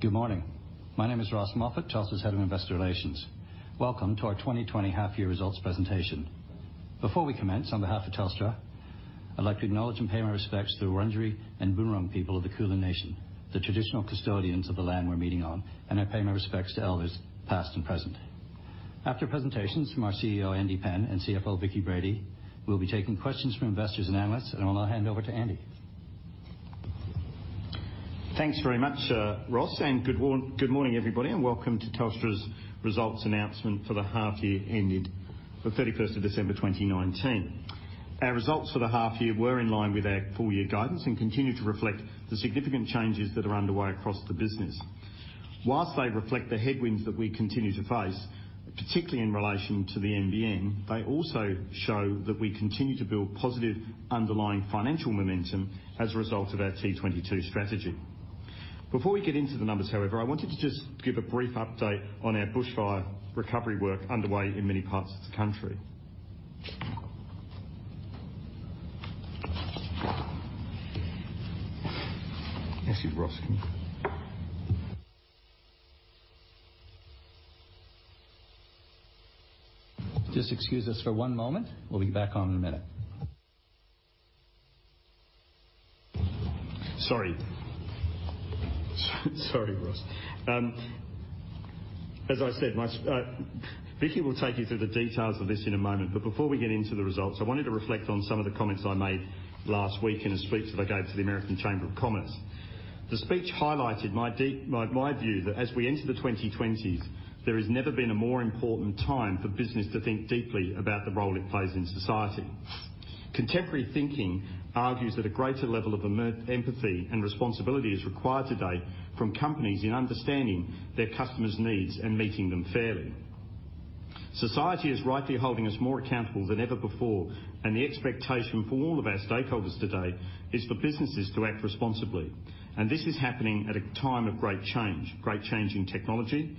Good morning. My name is Ross Moffat, Telstra's Head of Investor Relations. Welcome to our 2020 half-year results presentation. Before we commence, on behalf of Telstra, I'd like to acknowledge and pay my respects to the Wurundjeri and Boonwurrung people of the Kulin Nation, the traditional custodians of the land we're meeting on, and I pay my respects to elders past and present. After presentations from our CEO, Andy Penn, and CFO, Vicki Brady, we'll be taking questions from investors and analysts, and I'll now hand over to Andy. Thanks very much, Ross, and good morning, everybody, and welcome to Telstra's results announcement for the half-year ended the 31st of December 2019. Our results for the half-year were in line with our full-year guidance and continue to reflect the significant changes that are underway across the business. While they reflect the headwinds that we continue to face, particularly in relation to the NBN, they also show that we continue to build positive underlying financial momentum as a result of our T22 strategy. Before we get into the numbers, however, I wanted to just give a brief update on our bushfire recovery work underway in many parts of the country. Thank you, Ross. Just excuse us for one moment. We'll be back on in a minute. Sorry. Sorry, Ross. As I said, Vicki will take you through the details of this in a moment, but before we get into the results, I wanted to reflect on some of the comments I made last week in a speech that I gave to the American Chamber of Commerce. The speech highlighted my view that as we enter the 2020s, there has never been a more important time for business to think deeply about the role it plays in society. Contemporary thinking argues that a greater level of empathy and responsibility is required today from companies in understanding their customers' needs and meeting them fairly. Society is rightly holding us more accountable than ever before, and the expectation for all of our stakeholders today is for businesses to act responsibly, and this is happening at a time of great change, great change in technology,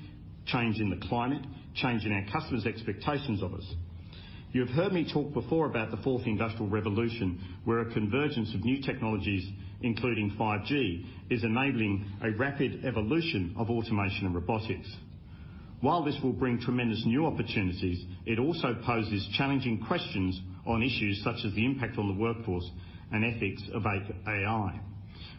change in the climate, change in our customers' expectations of us. You have heard me talk before about the Fourth Industrial Revolution, where a convergence of new technologies, including 5G, is enabling a rapid evolution of automation and robotics. While this will bring tremendous new opportunities, it also poses challenging questions on issues such as the impact on the workforce and ethics of AI.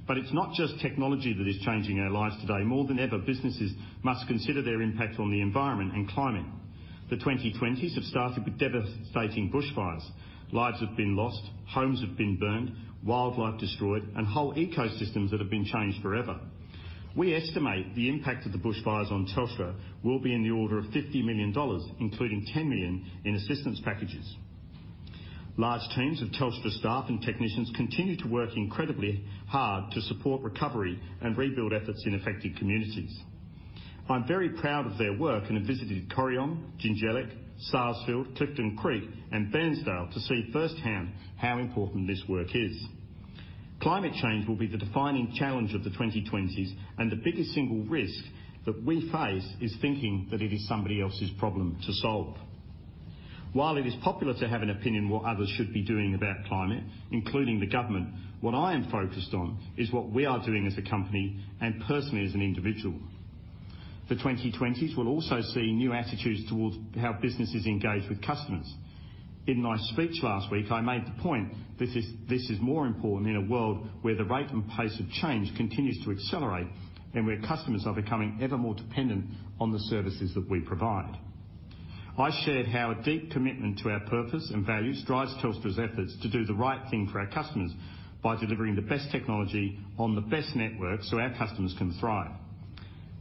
But it's not just technology that is changing our lives today. More than ever, businesses must consider their impact on the environment and climate. The 2020s have started with devastating bushfires. Lives have been lost, homes have been burned, wildlife destroyed, and whole ecosystems that have been changed forever. We estimate the impact of the bushfires on Telstra will be in the order of 50 million dollars, including 10 million in assistance packages. Large teams of Telstra staff and technicians continue to work incredibly hard to support recovery and rebuild efforts in affected communities. I'm very proud of their work and have visited Corryong, Jingellic, Sarsfield, Clifton Creek, and Bairnsdale to see firsthand how important this work is. Climate change will be the defining challenge of the 2020s, and the biggest single risk that we face is thinking that it is somebody else's problem to solve. While it is popular to have an opinion on what others should be doing about climate, including the government, what I am focused on is what we are doing as a company and personally as an individual. The 2020s will also see new attitudes toward how businesses engage with customers. In my speech last week, I made the point that this is more important in a world where the rate and pace of change continues to accelerate and where customers are becoming ever more dependent on the services that we provide. I shared how a deep commitment to our purpose and values drives Telstra's efforts to do the right thing for our customers by delivering the best technology on the best network so our customers can thrive.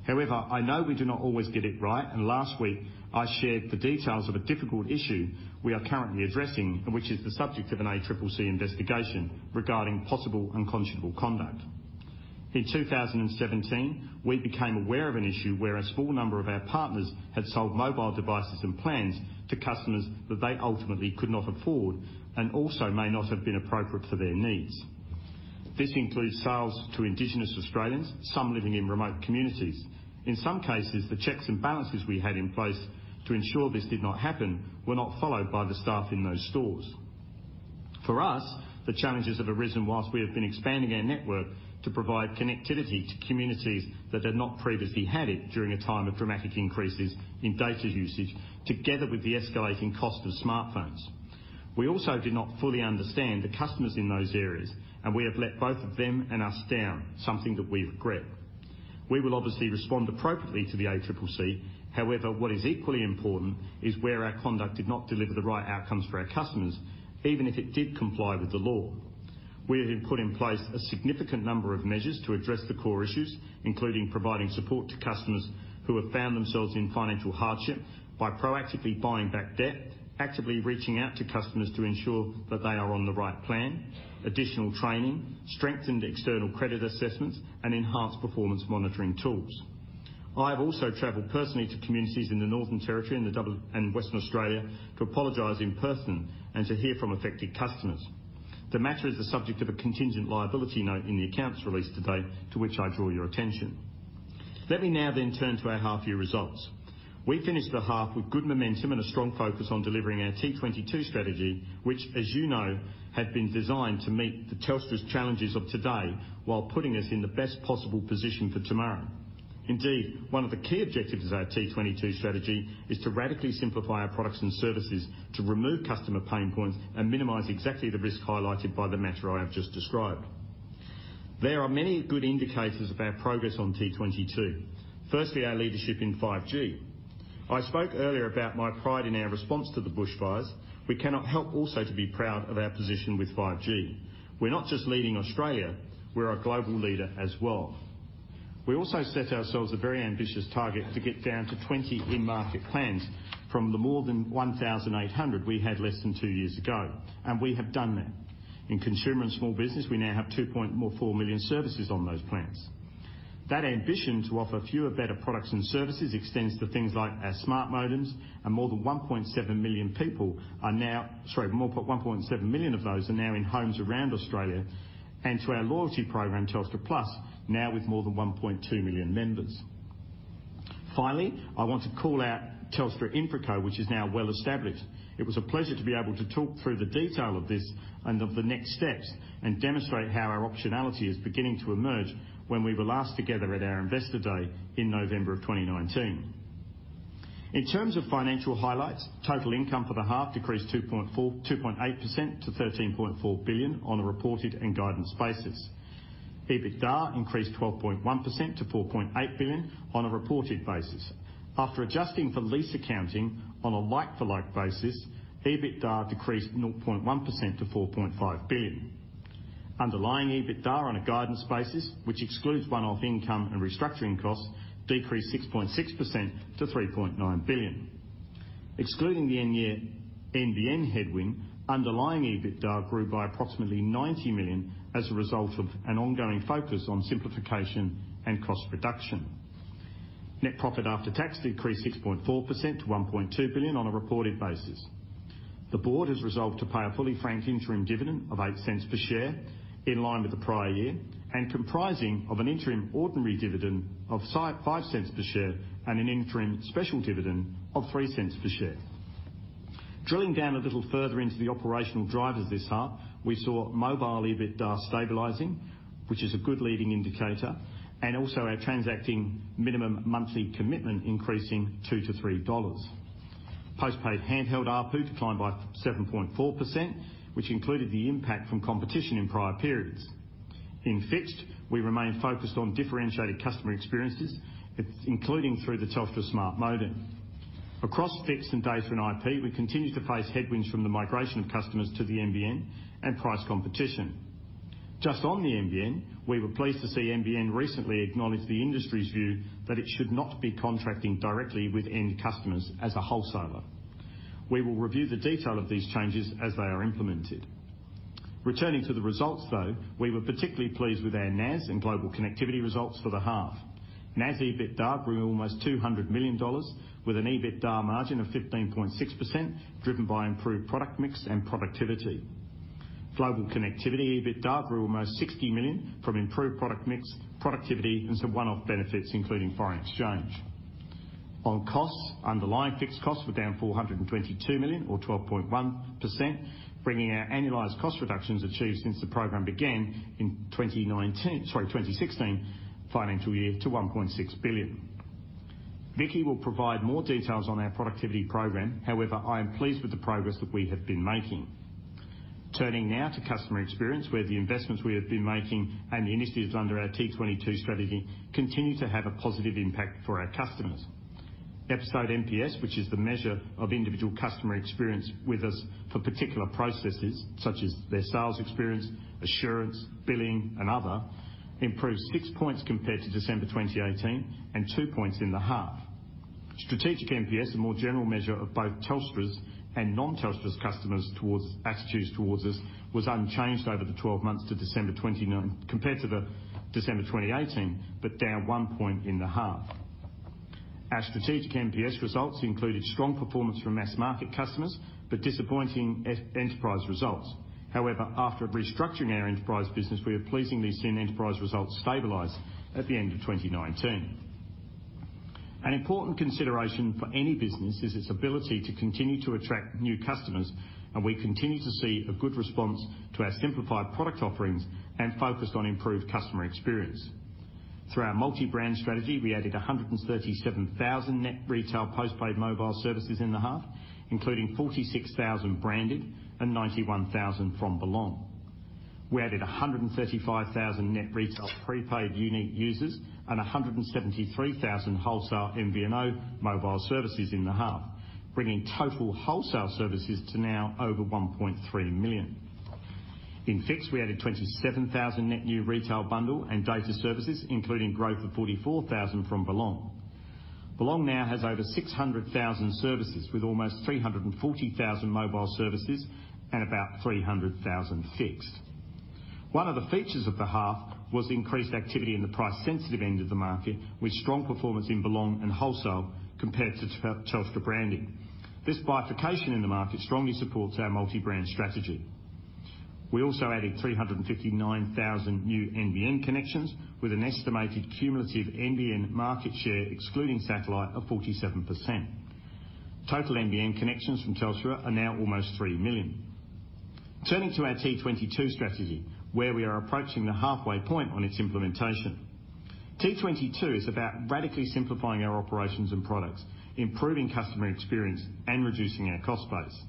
However, I know we do not always get it right, and last week I shared the details of a difficult issue we are currently addressing, which is the subject of an ACCC investigation regarding possible unconscionable conduct. In 2017, we became aware of an issue where a small number of our partners had sold mobile devices and plans to customers that they ultimately could not afford and also may not have been appropriate for their needs. This includes sales to Indigenous Australians, some living in remote communities. In some cases, the checks and balances we had in place to ensure this did not happen were not followed by the staff in those stores. For us, the challenges have arisen while we have been expanding our network to provide connectivity to communities that had not previously had it during a time of dramatic increases in data usage, together with the escalating cost of smartphones. We also did not fully understand the customers in those areas, and we have let both of them and us down, something that we regret. We will obviously respond appropriately to the ACCC. However, what is equally important is where our conduct did not deliver the right outcomes for our customers, even if it did comply with the law. We have put in place a significant number of measures to address the core issues, including providing support to customers who have found themselves in financial hardship by proactively buying back debt, actively reaching out to customers to ensure that they are on the right plan, additional training, strengthened external credit assessments, and enhanced performance monitoring tools. I have also traveled personally to communities in the Northern Territory and Western Australia to apologize in person and to hear from affected customers. The matter is the subject of a contingent liability note in the accounts released today, to which I draw your attention. Let me now then turn to our half-year results. We finished the half with good momentum and a strong focus on delivering our T22 strategy, which, as you know, had been designed to meet Telstra's challenges of today while putting us in the best possible position for tomorrow. Indeed, one of the key objectives of our T22 strategy is to radically simplify our products and services to remove customer pain points and minimize exactly the risk highlighted by the matter I have just described. There are many good indicators of our progress on T22. Firstly, our leadership in 5G. I spoke earlier about my pride in our response to the bushfires. We cannot help also to be proud of our position with 5G. We're not just leading Australia; we're a global leader as well. We also set ourselves a very ambitious target to get down to 20 in-market plans from the more than 1,800 we had less than two years ago, and we have done that. In consumer and small business, we now have 2.4 million services on those plans. That ambition to offer fewer better products and services extends to things like our smart modems, and more than 1.7 million people are now, sorry, more than 1.7 million of those are now in homes around Australia, and to our loyalty program, Telstra Plus, now with more than 1.2 million members. Finally, I want to call out Telstra InfraCo, which is now well established. It was a pleasure to be able to talk through the detail of this and of the next steps and demonstrate how our optionality is beginning to emerge when we were last together at our investor day in November of 2019. In terms of financial highlights, total income for the half decreased 2.8% to 13.4 billion on a reported and guidance basis. EBITDA increased 12.1% to 4.8 billion on a reported basis. After adjusting for lease accounting on a like-for-like basis, EBITDA decreased 0.1% to 4.5 billion. Underlying EBITDA on a guidance basis, which excludes one-off income and restructuring costs, decreased 6.6% to 3.9 billion. Excluding the end-year NBN headwind, underlying EBITDA grew by approximately 90 million as a result of an ongoing focus on simplification and cost reduction. Net profit after tax decreased 6.4% to 1.2 billion on a reported basis. The board has resolved to pay a fully franked interim dividend of 0.08 per share in line with the prior year and comprising of an interim ordinary dividend of 0.05 per share and an interim special dividend of 0.03 per share. Drilling down a little further into the operational drivers this half, we saw mobile EBITDA stabilizing, which is a good leading indicator, and also our transacting minimum monthly commitment increasing 2-3 dollars. Postpaid handheld ARPU declined by 7.4%, which included the impact from competition in prior periods. In fixed, we remained focused on differentiated customer experiences, including through the Telstra Smart Modem. Across fixed and Data and IP, we continue to face headwinds from the migration of customers to the NBN and price competition. Just on the NBN, we were pleased to see NBN recently acknowledge the industry's view that it should not be contracting directly with end customers as a wholesaler. We will review the detail of these changes as they are implemented. Returning to the results, though, we were particularly pleased with our NAS and Global Connectivity results for the half. NAS EBITDA grew almost 200 million dollars, with an EBITDA margin of 15.6%, driven by improved product mix and productivity. Global Connectivity EBITDA grew almost 60 million from improved product mix, productivity, and some one-off benefits, including foreign exchange. On costs, underlying fixed costs were down 422 million, or 12.1%, bringing our annualized cost reductions achieved since the program began in 2016 financial year to 1.6 billion. Vicki will provide more details on our productivity program. However, I am pleased with the progress that we have been making. Turning now to customer experience, where the investments we have been making and the initiatives under our T22 strategy continue to have a positive impact for our customers. Episode NPS, which is the measure of individual customer experience with us for particular processes such as their sales experience, assurance, billing, and other, improved six points compared to December 2018 and two points in the half. Strategic NPS, a more general measure of both Telstra's and non-Telstra's customers' attitudes towards us, was unchanged over the 12 months to December 2018 compared to December 2018, but down one point in the half. Our strategic NPS results included strong performance from mass-market customers, but disappointing enterprise results. However, after restructuring our enterprise business, we have pleasingly seen enterprise results stabilise at the end of 2019. An important consideration for any business is its ability to continue to attract new customers, and we continue to see a good response to our simplified product offerings and focused on improved customer experience. Through our multi-brand strategy, we added 137,000 net retail postpaid mobile services in the half, including 46,000 branded and 91,000 from Belong. We added 135,000 net retail prepaid unique users and 173,000 wholesale MVNO mobile services in the half, bringing total wholesale services to now over 1.3 million. In fixed, we added 27,000 net new retail bundle and data services, including growth of 44,000 from Belong. Belong now has over 600,000 services, with almost 340,000 mobile services and about 300,000 fixed. One of the features of the half was increased activity in the price-sensitive end of the market, with strong performance in Belong and wholesale compared to Telstra branding. This bifurcation in the market strongly supports our multi-brand strategy. We also added 359,000 new NBN connections, with an estimated cumulative NBN market share, excluding satellite, of 47%. Total NBN connections from Telstra are now almost 3 million. Turning to our T22 strategy, where we are approaching the halfway point on its implementation. T22 is about radically simplifying our operations and products, improving customer experience, and reducing our cost base.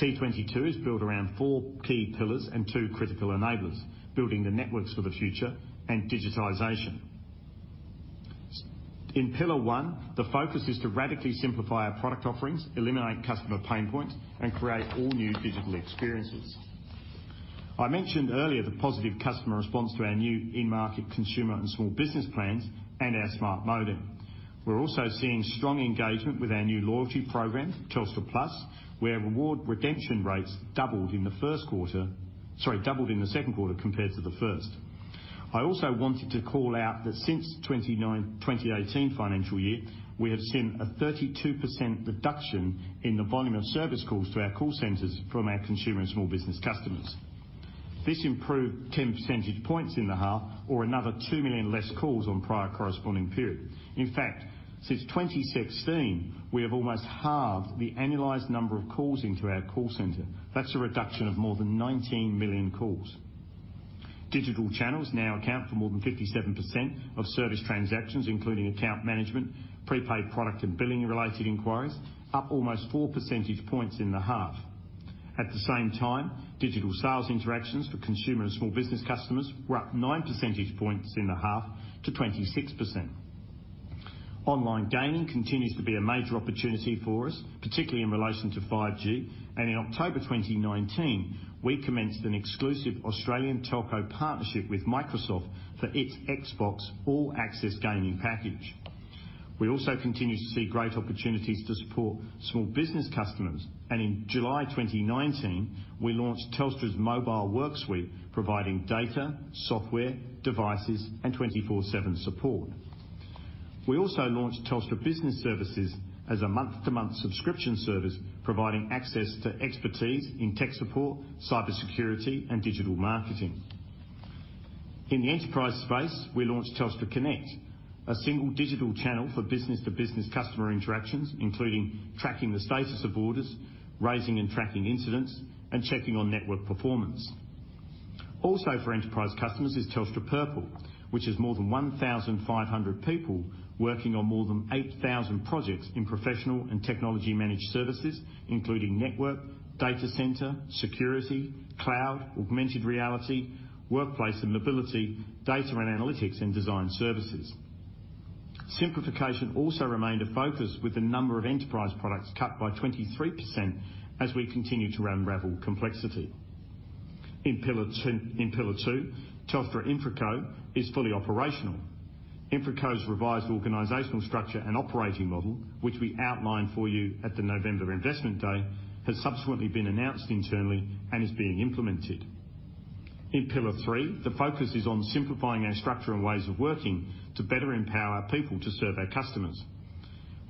T22 is built around four key pillars and two critical enablers: building the networks for the future and digitisation. In pillar one, the focus is to radically simplify our product offerings, eliminate customer pain points, and create all-new digital experiences. I mentioned earlier the positive customer response to our new in-market consumer and small business plans and our smart modem. We're also seeing strong engagement with our new loyalty program, Telstra Plus, where reward redemption rates doubled in the second quarter compared to the first. I also wanted to call out that since 2018 financial year, we have seen a 32% reduction in the volume of service calls to our call centers from our consumer and small business customers. This improved 10 percentage points in the half, or another 2 million less calls on prior corresponding period. In fact, since 2016, we have almost halved the annualized number of calls into our call center. That's a reduction of more than 19 million calls. Digital channels now account for more than 57% of service transactions, including account management, prepaid product and billing-related inquiries, up almost 4 percentage points in the half. At the same time, digital sales interactions for consumer and small business customers were up 9 percentage points in the half to 26%. Online gaming continues to be a major opportunity for us, particularly in relation to 5G, and in October 2019, we commenced an exclusive Australian telco partnership with Microsoft for its Xbox All Access gaming package. We also continue to see great opportunities to support small business customers, and in July 2019, we launched Telstra's Mobile Worksuite providing data, software, devices, and 24/7 support. We also launched Telstra Business Services as a month-to-month subscription service, providing access to expertise in tech support, cybersecurity, and digital marketing. In the enterprise space, we launched Telstra Connect, a single digital channel for business-to-business customer interactions, including tracking the status of orders, raising and tracking incidents, and checking on network performance. Also for enterprise customers is Telstra Purple, which has more than 1,500 people working on more than 8,000 projects in professional and technology-managed services, including network, data center, security, cloud, augmented reality, workplace and mobility, data and analytics, and design services. Simplification also remained a focus, with the number of enterprise products cut by 23% as we continue to unravel complexity. In pillar two, Telstra InfraCo is fully operational. InfraCo's revised organizational structure and operating model, which we outlined for you at the November Investment Day, has subsequently been announced internally and is being implemented. In pillar three, the focus is on simplifying our structure and ways of working to better empower people to serve our customers.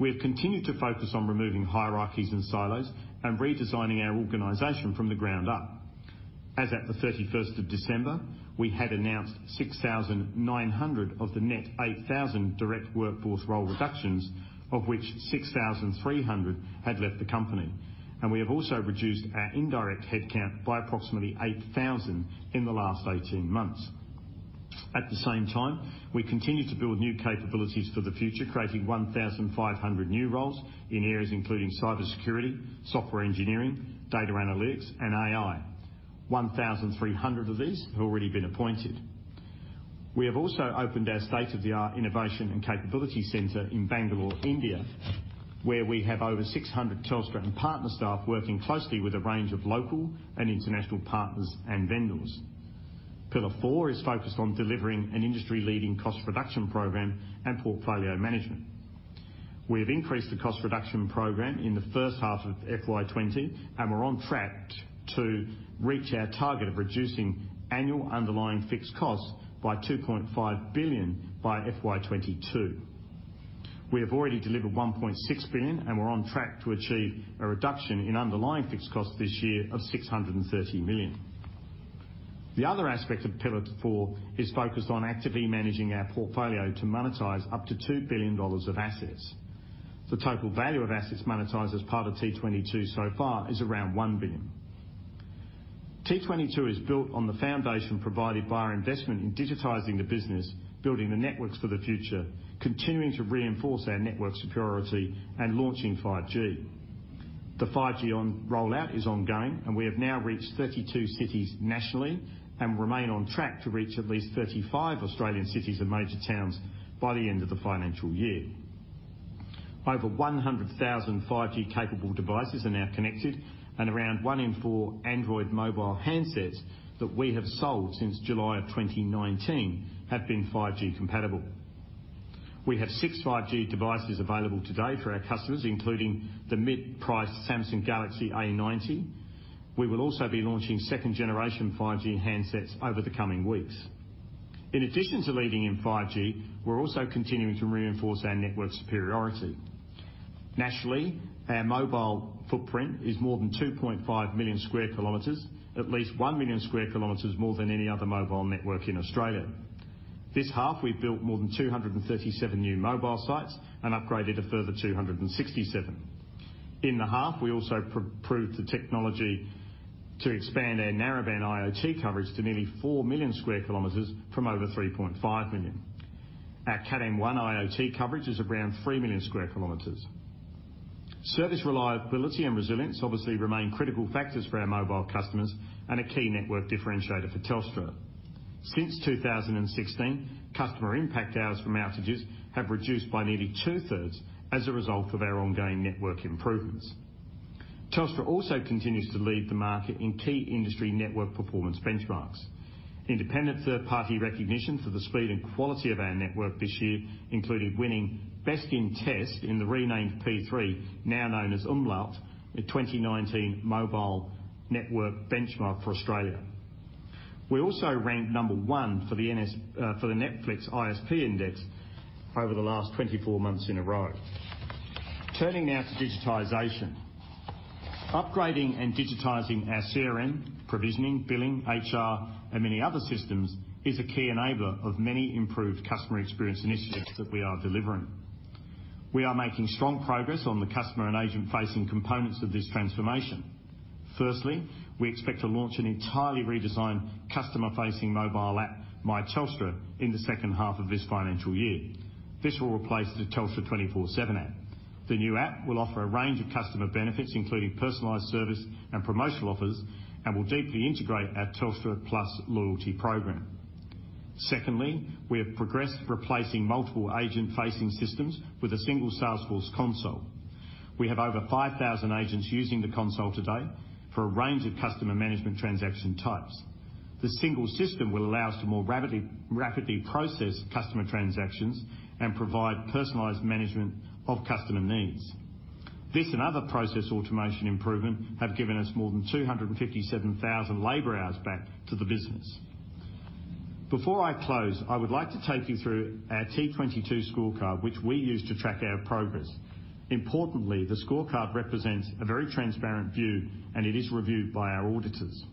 We have continued to focus on removing hierarchies and SIOs and redesigning our organization from the ground up. As at the 31st of December, we had announced 6,900 of the net 8,000 direct workforce role reductions, of which 6,300 had left the company, and we have also reduced our indirect headcount by approximately 8,000 in the last 18 months. At the same time, we continue to build new capabilities for the future, creating 1,500 new roles in areas including cybersecurity, software engineering, data analytics, and AI. 1,300 of these have already been appointed. We have also opened our state-of-the-art innovation and capability center in Bangalore, India, where we have over 600 Telstra and partner staff working closely with a range of local and international partners and vendors. Pillar four is focused on delivering an industry-leading cost reduction program and portfolio management. We have increased the cost reduction program in the first half of FY 2020, and we're on track to reach our target of reducing annual underlying fixed costs by 2.5 billion by FY 2022. We have already delivered 1.6 billion, and we're on track to achieve a reduction in underlying fixed costs this year of 630 million. The other aspect of pillar four is focused on actively managing our portfolio to monetize up to 2 billion dollars of assets. The total value of assets monetized as part of T22 so far is around 1 billion. T22 is built on the foundation provided by our investment in digitizing the business, building the networks for the future, continuing to reinforce our network security, and launching 5G. The 5G rollout is ongoing, and we have now reached 32 cities nationally and remain on track to reach at least 35 Australian cities and major towns by the end of the financial year. Over 100,000 5G-capable devices are now connected, and around one in four Android mobile handsets that we have sold since July of 2019 have been 5G-compatible. We have six 5G devices available today for our customers, including the mid-priced Samsung Galaxy A90. We will also be launching second-generation 5G handsets over the coming weeks. In addition to leading in 5G, we're also continuing to reinforce our network superiority. Nationally, our mobile footprint is more than 2.5 million km2, at least 1 million km2 more than any other mobile network in Australia. This half, we've built more than 237 new mobile sites and upgraded a further 267. In the half, we also proved the technology to expand our Narrowband IoT coverage to nearly 4 million km2 from over 3.5 million. Our Cat M1 IoT coverage is around 3 million km2. Service reliability and resilience obviously remain critical factors for our mobile customers and a key network differentiator for Telstra. Since 2016, customer impact hours from outages have reduced by nearly two-thirds as a result of our ongoing network improvements. Telstra also continues to lead the market in key industry network performance benchmarks. Independent third-party recognition for the speed and quality of our network this year included winning Best in Test in the renamed P3, now known as Umlaut, a 2019 mobile network benchmark for Australia. We also ranked number one for the Netflix ISP index over the last 24 months in a row. Turning now to digitization. Upgrading and digitizing our CRM, provisioning, billing, HR, and many other systems is a key enabler of many improved customer experience initiatives that we are delivering. We are making strong progress on the customer and agent-facing components of this transformation. Firstly, we expect to launch an entirely redesigned customer-facing mobile app by Telstra in the second half of this financial year. This will replace the Telstra 24x7 app. The new app will offer a range of customer benefits, including personalized service and promotional offers, and will deeply integrate our Telstra Plus loyalty program. Secondly, we have progressed replacing multiple agent-facing systems with a single Salesforce console. We have over 5,000 agents using the console today for a range of customer management transaction types. The single system will allow us to more rapidly process customer transactions and provide personalized management of customer needs. This and other process automation improvement have given us more than 257,000 labor hours back to the business. Before I close, I would like to take you through our T22 scorecard, which we use to track our progress. Importantly, the scorecard represents a very transparent view, and it is reviewed by our auditors.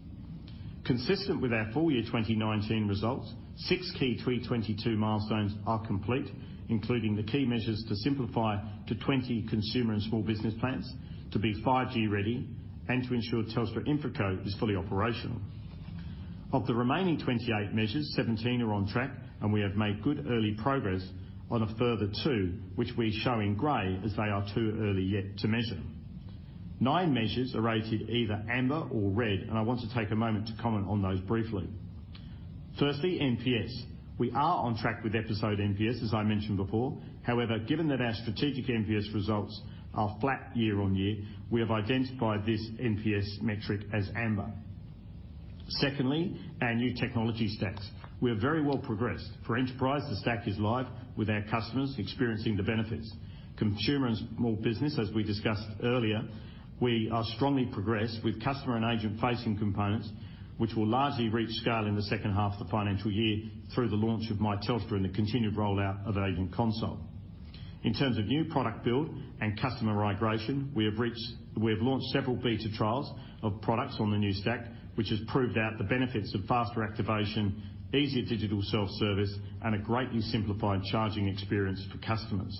Consistent with our full year 2019 results, six key 2022 milestones are complete, including the key measures to simplify to 20 consumer and small business plans, to be 5G-ready, and to ensure Telstra InfraCo is fully operational. Of the remaining 28 measures, 17 are on track, and we have made good early progress on a further two, which we show in gray as they are too early yet to measure. Nine measures are rated either amber or red, and I want to take a moment to comment on those briefly. Firstly, NPS. We are on track with enterprise NPS, as I mentioned before. However, given that our strategic NPS results are flat year-on-year, we have identified this NPS metric as amber. Secondly, our new technology stacks. We have very well progressed. For enterprise, the stack is live, with our customers experiencing the benefits. Consumer and small business, as we discussed earlier, we are strongly progressed with customer and agent-facing components, which will largely reach scale in the second half of the financial year through the launch of My Telstra and the continued rollout of Agent Console. In terms of new product build and customer migration, we have launched several beta trials of products on the new stack, which has proved out the benefits of faster activation, easier digital self-service, and a greatly simplified charging experience for customers.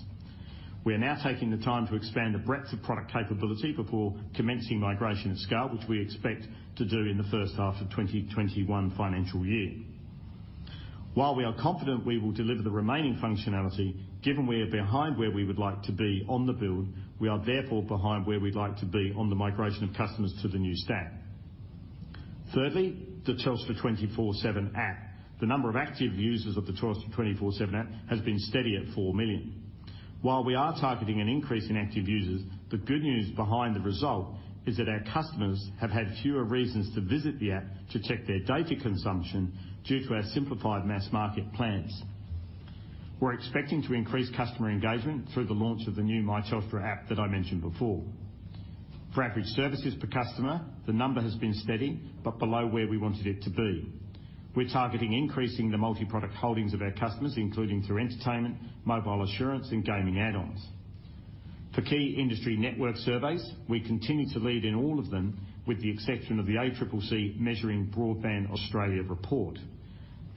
We are now taking the time to expand the breadth of product capability before commencing migration at scale, which we expect to do in the first half of 2021 financial year. While we are confident we will deliver the remaining functionality, given we are behind where we would like to be on the build, we are therefore behind where we'd like to be on the migration of customers to the new stack. Thirdly, the Telstra 24x7 App. The number of active users of the Telstra 24x7 App has been steady at 4 million. While we are targeting an increase in active users, the good news behind the result is that our customers have had fewer reasons to visit the app to check their data consumption due to our simplified mass market plans. We're expecting to increase customer engagement through the launch of the new My Telstra app that I mentioned before. For average services per customer, the number has been steady but below where we wanted it to be. We're targeting increasing the multi-product holdings of our customers, including through entertainment, mobile assurance, and gaming add-ons. For key industry network surveys, we continue to lead in all of them, with the exception of the ACCC Measuring Broadband Australia report.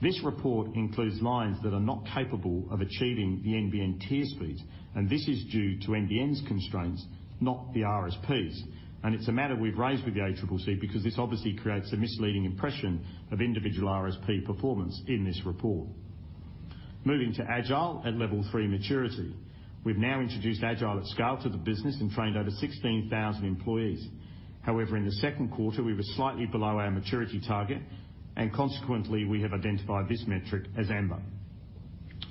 This report includes lines that are not capable of achieving the NBN tier speeds, and this is due to NBN's constraints, not the RSPs. And it's a matter we've raised with the ACCC because this obviously creates a misleading impression of individual RSP performance in this report. Moving to Agile at level three maturity. We've now introduced Agile at scale to the business and trained over 16,000 employees. However, in the second quarter, we were slightly below our maturity target, and consequently, we have identified this metric as amber.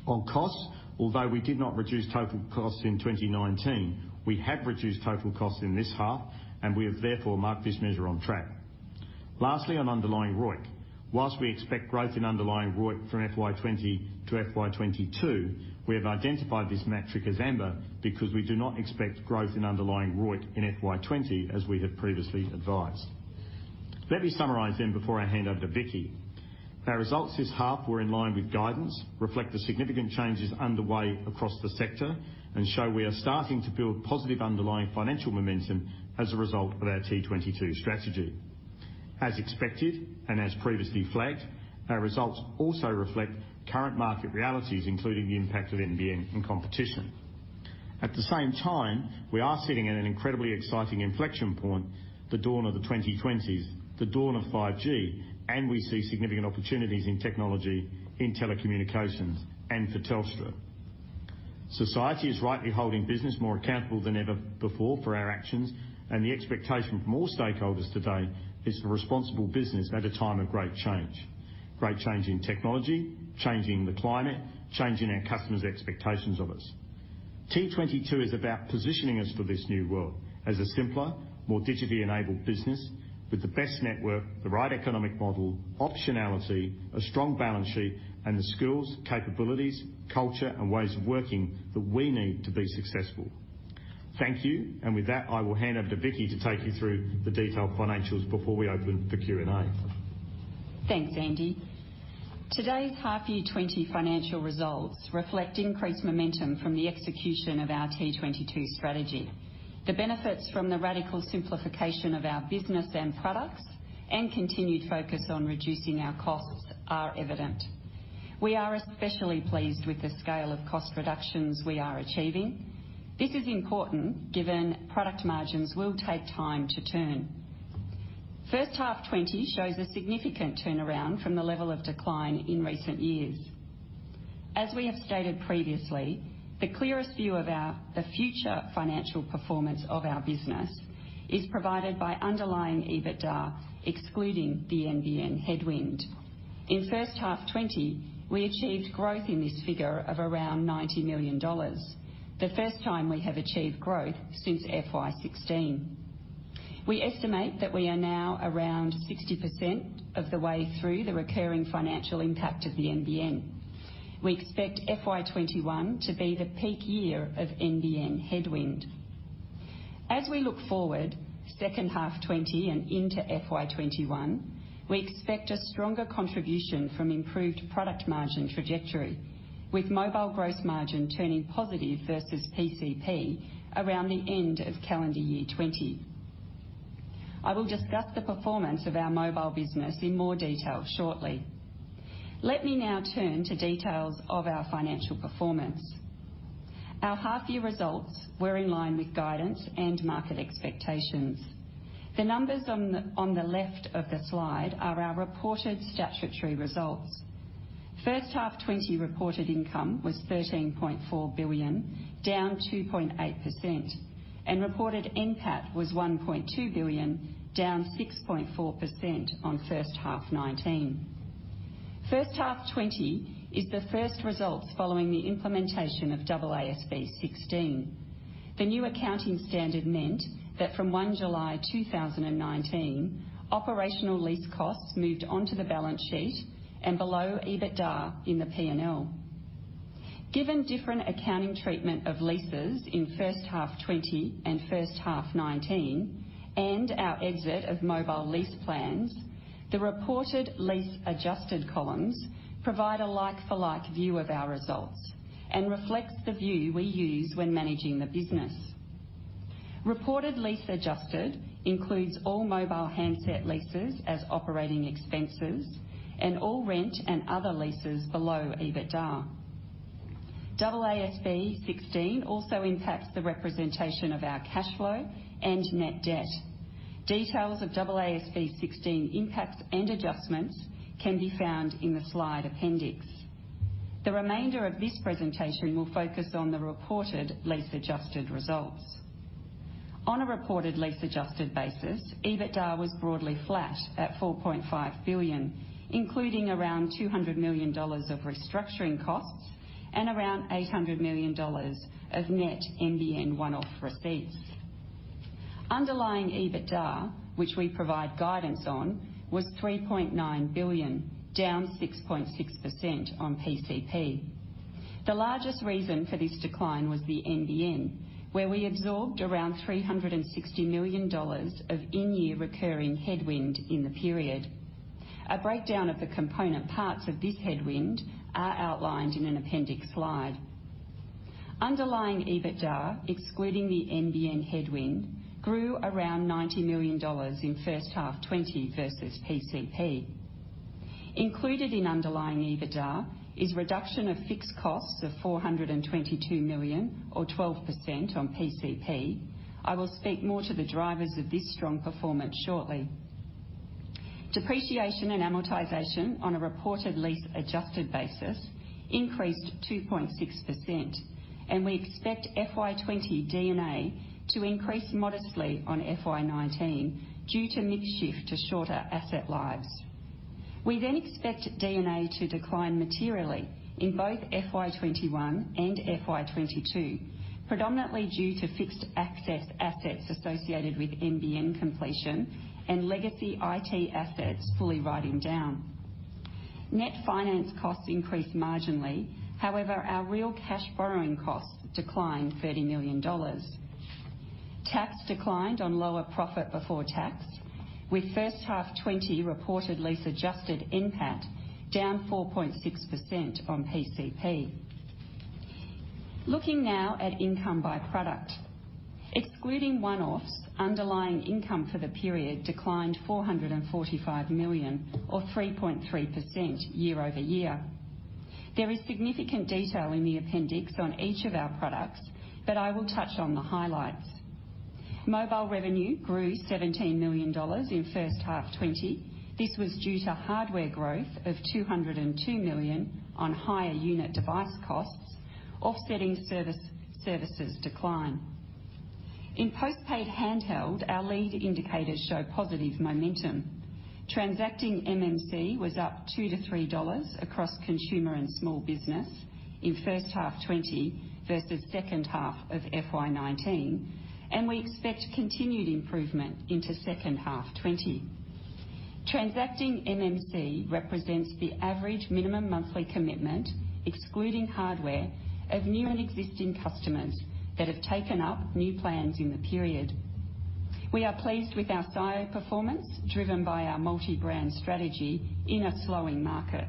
On costs, although we did not reduce total costs in 2019, we have reduced total costs in this half, and we have therefore marked this measure on track. Lastly, on underlying ROIC. While we expect growth in underlying ROIC from FY 2020 to FY 2022, we have identified this metric as amber because we do not expect growth in underlying ROIC in FY 2020, as we have previously advised. Let me summarize then before I hand over to Vicki. Our results this half were in line with guidance, reflect the significant changes underway across the sector, and show we are starting to build positive underlying financial momentum as a result of our T22 strategy. As expected and as previously flagged, our results also reflect current market realities, including the impact of NBN and competition. At the same time, we are sitting at an incredibly exciting inflection point, the dawn of the 2020s, the dawn of 5G, and we see significant opportunities in technology, in telecommunications, and for Telstra. Society is rightly holding business more accountable than ever before for our actions, and the expectation from all stakeholders today is for responsible business at a time of great change. Great change in technology, changing the climate, changing our customers' expectations of us. T22 is about positioning us for this new world as a simpler, more digitally enabled business with the best network, the right economic model, optionality, a strong balance sheet, and the skills, capabilities, culture, and ways of working that we need to be successful. Thank you, and with that, I will hand over to Vicki to take you through the detailed financials before we open for Q&A. Thanks, Andy. Today's half-year 2020 financial results reflect increased momentum from the execution of our T22 strategy. The benefits from the radical simplification of our business and products and continued focus on reducing our costs are evident. We are especially pleased with the scale of cost reductions we are achieving. This is important given product margins will take time to turn. First half 2020 shows a significant turnaround from the level of decline in recent years. As we have stated previously, the clearest view of the future financial performance of our business is provided by underlying EBITDA, excluding the NBN headwind. In first half 2020, we achieved growth in this figure of around AUD 90 million, the first time we have achieved growth since FY 2016. We estimate that we are now around 60% of the way through the recurring financial impact of the NBN. We expect FY 2021 to be the peak year of NBN headwind. As we look forward, second half 2020 and into FY 2021, we expect a stronger contribution from improved product margin trajectory, with mobile gross margin turning positive versus PCP around the end of calendar year 2020. I will discuss the performance of our mobile business in more detail shortly. Let me now turn to details of our financial performance. Our half-year results were in line with guidance and market expectations. The numbers on the left of the slide are our reported statutory results. First half 2020 reported income was 13.4 billion, down 2.8%, and reported NPAT was 1.2 billion, down 6.4% on first half 2019. First half 2020 is the first results following the implementation of AASB 16. The new accounting standard meant that from 1 July 2019, operational lease costs moved onto the balance sheet and below EBITDA in the P&L. Given different accounting treatment of leases in first half 2020 and first half 2019, and our exit of mobile lease plans, the reported lease adjusted columns provide a like-for-like view of our results and reflect the view we use when managing the business. Reported lease adjusted includes all mobile handset leases as operating expenses and all rent and other leases below EBITDA. AASB 16 also impacts the representation of our cash flow and net debt. Details of AASB 16 impacts and adjustments can be found in the slide appendix. The remainder of this presentation will focus on the reported lease adjusted results. On a reported lease adjusted basis, EBITDA was broadly flat at 4.5 billion, including around 200 million dollars of restructuring costs and around 800 million dollars of net NBN one-off receipts. Underlying EBITDA, which we provide guidance on, was 3.9 billion, down 6.6% on PCP. The largest reason for this decline was the NBN, where we absorbed around 360 million dollars of in-year recurring headwind in the period. A breakdown of the component parts of this headwind is outlined in an appendix slide. Underlying EBITDA, excluding the NBN headwind, grew around 90 million dollars in first half 2020 versus PCP. Included in underlying EBITDA is reduction of fixed costs of 422 million, or 12% on PCP. I will speak more to the drivers of this strong performance shortly. Depreciation and amortization on a reported lease adjusted basis increased 2.6%, and we expect FY 2020 D&A to increase modestly on FY 2019 due to mix shift to shorter asset lives. We then expect D&A to decline materially in both FY 2021 and FY 2022, predominantly due to fixed access assets associated with NBN completion and legacy IT assets fully writing down. Net finance costs increased marginally. However, our real cash borrowing costs declined 30 million dollars. Tax declined on lower profit before tax, with first half 2020 reported lease adjusted NPAT down 4.6% on PCP. Looking now at income by product, excluding one-offs, underlying income for the period declined 445 million, or 3.3% year-over-year. There is significant detail in the appendix on each of our products, but I will touch on the highlights. Mobile revenue grew 17 million dollars in first half 2020. This was due to hardware growth of $202 million on higher unit device costs, offsetting services decline. In postpaid handheld, our lead indicators show positive momentum. Transacting MMC was up $2-$3 across consumer and small business in first half 2020 versus second half of FY 2019, and we expect continued improvement into second half 2020. Transacting MMC represents the average minimum monthly commitment, excluding hardware, of new and existing customers that have taken up new plans in the period. We are pleased with our SIO performance, driven by our multi-brand strategy in a slowing market.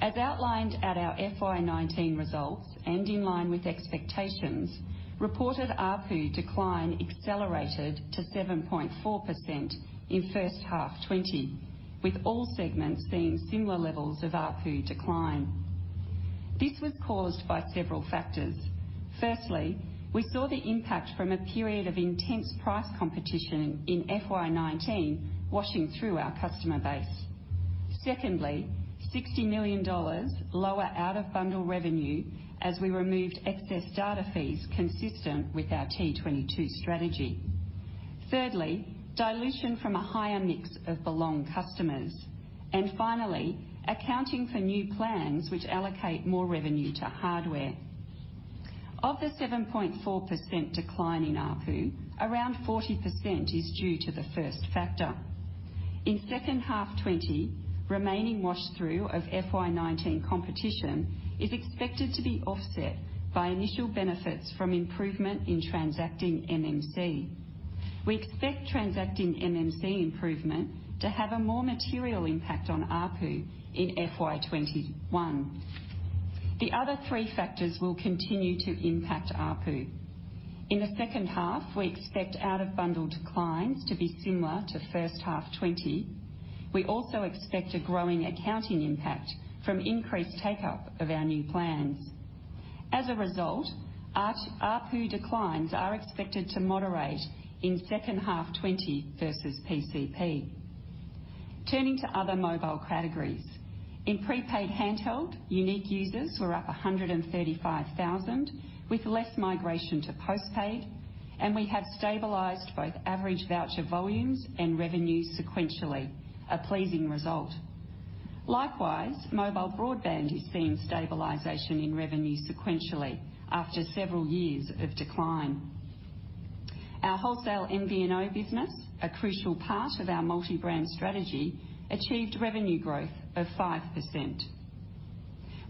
As outlined at our FY 2019 results and in line with expectations, reported ARPU decline accelerated to 7.4% in first half 2020, with all segments seeing similar levels of ARPU decline. This was caused by several factors. Firstly, we saw the impact from a period of intense price competition in FY 2019 washing through our customer base. Secondly, $60 million lower out-of-bundle revenue as we removed excess data fees consistent with our T22 strategy. Thirdly, dilution from a higher mix of Belong customers. And finally, accounting for new plans which allocate more revenue to hardware. Of the 7.4% decline in ARPU, around 40% is due to the first factor. In second half 2020, remaining wash-through of FY 2019 competition is expected to be offset by initial benefits from improvement in transacting MMC. We expect transacting MMC improvement to have a more material impact on ARPU in FY 2021. The other three factors will continue to impact ARPU. In the second half, we expect out-of-bundle declines to be similar to first half 2020. We also expect a growing accounting impact from increased take-up of our new plans. As a result, ARPU declines are expected to moderate in second half 2020 versus PCP. Turning to other mobile categories, in prepaid handheld, unique users were up 135,000, with less migration to postpaid, and we have stabilised both average voucher volumes and revenue sequentially, a pleasing result. Likewise, mobile broadband is seeing stabilisation in revenue sequentially after several years of decline. Our wholesale MVNO business, a crucial part of our multi-brand strategy, achieved revenue growth of 5%.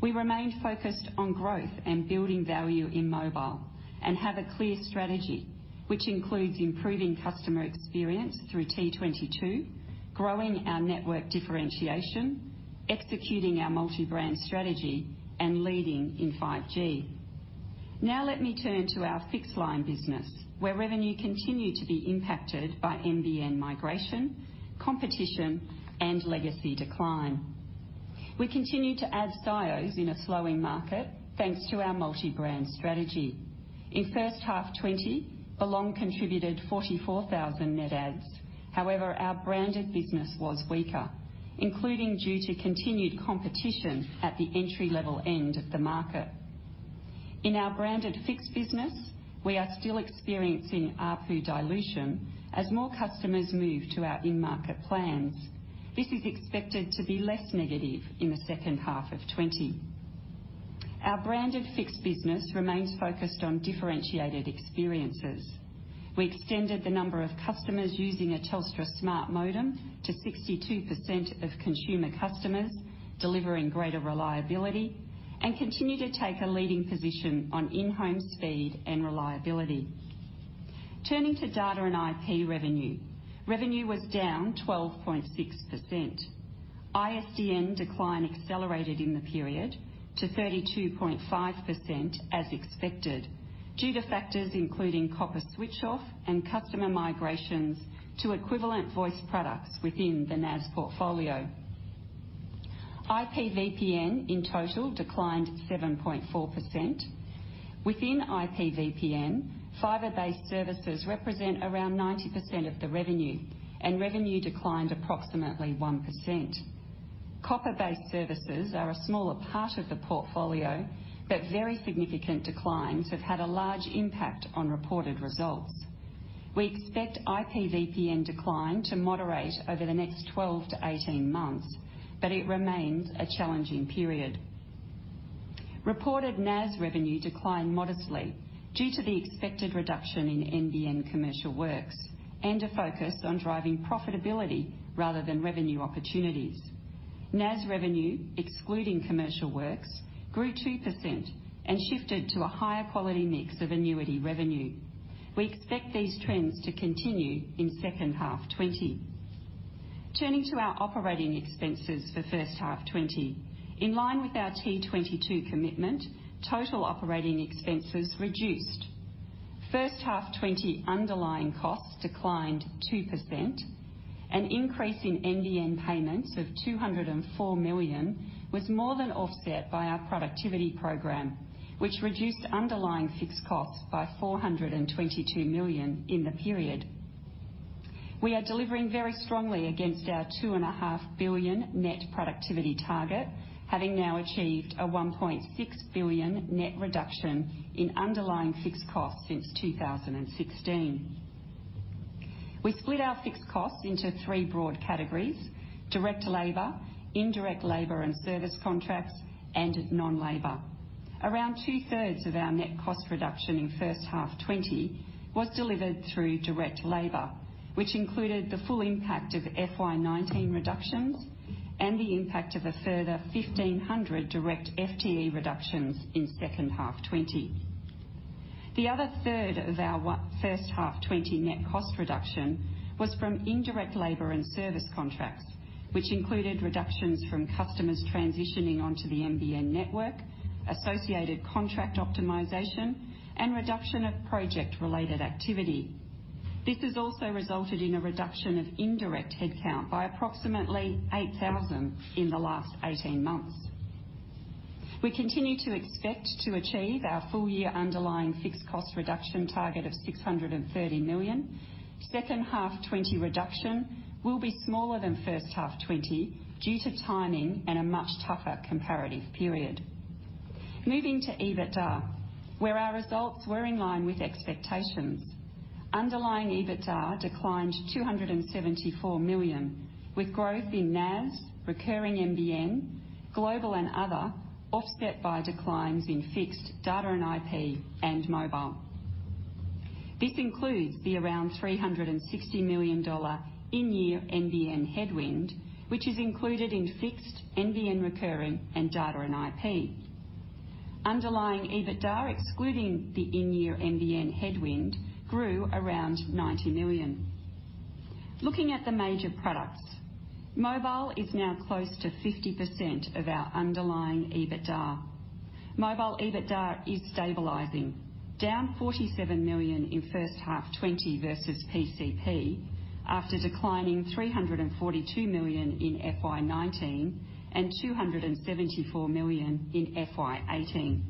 We remained focused on growth and building value in mobile and have a clear strategy, which includes improving customer experience through T22, growing our network differentiation, executing our multi-brand strategy, and leading in 5G. Now let me turn to our fixed line business, where revenue continued to be impacted by NBN migration, competition, and legacy decline. We continue to add SIOs in a slowing market thanks to our multi-brand strategy. In first half 2020, Belong contributed 44,000 net adds; however, our branded business was weaker, including due to continued competition at the entry-level end of the market. In our branded fixed business, we are still experiencing ARPU dilution as more customers move to our in-market plans. This is expected to be less negative in the second half of 2020. Our branded fixed business remains focused on differentiated experiences. We extended the number of customers using a Telstra Smart Modem to 62% of consumer customers, delivering greater reliability, and continue to take a leading position on in-home speed and reliability. Turning to Data and IP revenue, revenue was down 12.6%. ISDN decline accelerated in the period to 32.5% as expected due to factors including copper switch-off and customer migrations to equivalent voice products within the NAS portfolio. IP VPN in total declined 7.4%. Within IP VPN, fibre-based services represent around 90% of the revenue, and revenue declined approximately 1%. Copper-based services are a smaller part of the portfolio, but very significant declines have had a large impact on reported results. We expect IP VPN decline to moderate over the next 12 months-18 months, but it remains a challenging period. Reported NAS revenue declined modestly due to the expected reduction in NBN commercial works and a focus on driving profitability rather than revenue opportunities. NAS revenue, excluding commercial works, grew 2% and shifted to a higher quality mix of annuity revenue. We expect these trends to continue in second half 2020. Turning to our operating expenses for first half 2020, in line with our T22 commitment, total operating expenses reduced. First half 2020 underlying costs declined 2%. An increase in NBN payments of 204 million was more than offset by our productivity program, which reduced underlying fixed costs by 422 million in the period. We are delivering very strongly against our 2.5 billion net productivity target, having now achieved a 1.6 billion net reduction in underlying fixed costs since 2016. We split our fixed costs into three broad categories: direct labor, indirect labor and service contracts, and non-labor. Around two-thirds of our net cost reduction in first half 2020 was delivered through direct labor, which included the full impact of FY 2019 reductions and the impact of a further 1,500 direct FTE reductions in second half 2020. The other third of our first half 2020 net cost reduction was from indirect labor and service contracts, which included reductions from customers transitioning onto the NBN network, associated contract optimisation, and reduction of project-related activity. This has also resulted in a reduction of indirect headcount by approximately 8,000 in the last 18 months. We continue to expect to achieve our full-year underlying fixed cost reduction target of 630 million. Second half 2020 reduction will be smaller than first half 2020 due to timing and a much tougher comparative period. Moving to EBITDA, where our results were in line with expectations, underlying EBITDA declined 274 million, with growth in NAS, recurring NBN, global, and other offset by declines in fixed, Data and IP, and mobile. This includes the around 360 million dollar in-year NBN headwind, which is included in fixed, NBN recurring, and Data and IP. Underlying EBITDA, excluding the in-year NBN headwind, grew around 90 million. Looking at the major products, mobile is now close to 50% of our underlying EBITDA. Mobile EBITDA is stabilizing, down 47 million in first half 2020 versus PCP after declining 342 million in FY 2019 and 274 million in FY 2018.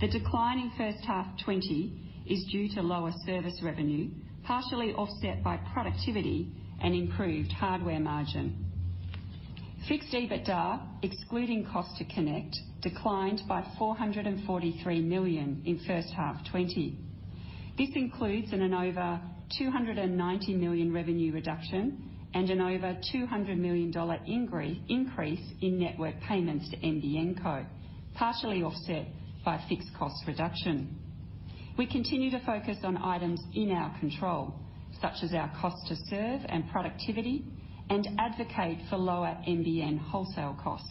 The decline in first half 2020 is due to lower service revenue, partially offset by productivity and improved hardware margin. Fixed EBITDA, excluding cost to connect, declined by 443 million in first half 2020. This includes an over 290 million revenue reduction and an over 200 million dollar increase in network payments to NBN Co, partially offset by fixed cost reduction. We continue to focus on items in our control, such as our cost to serve and productivity, and advocate for lower NBN wholesale costs.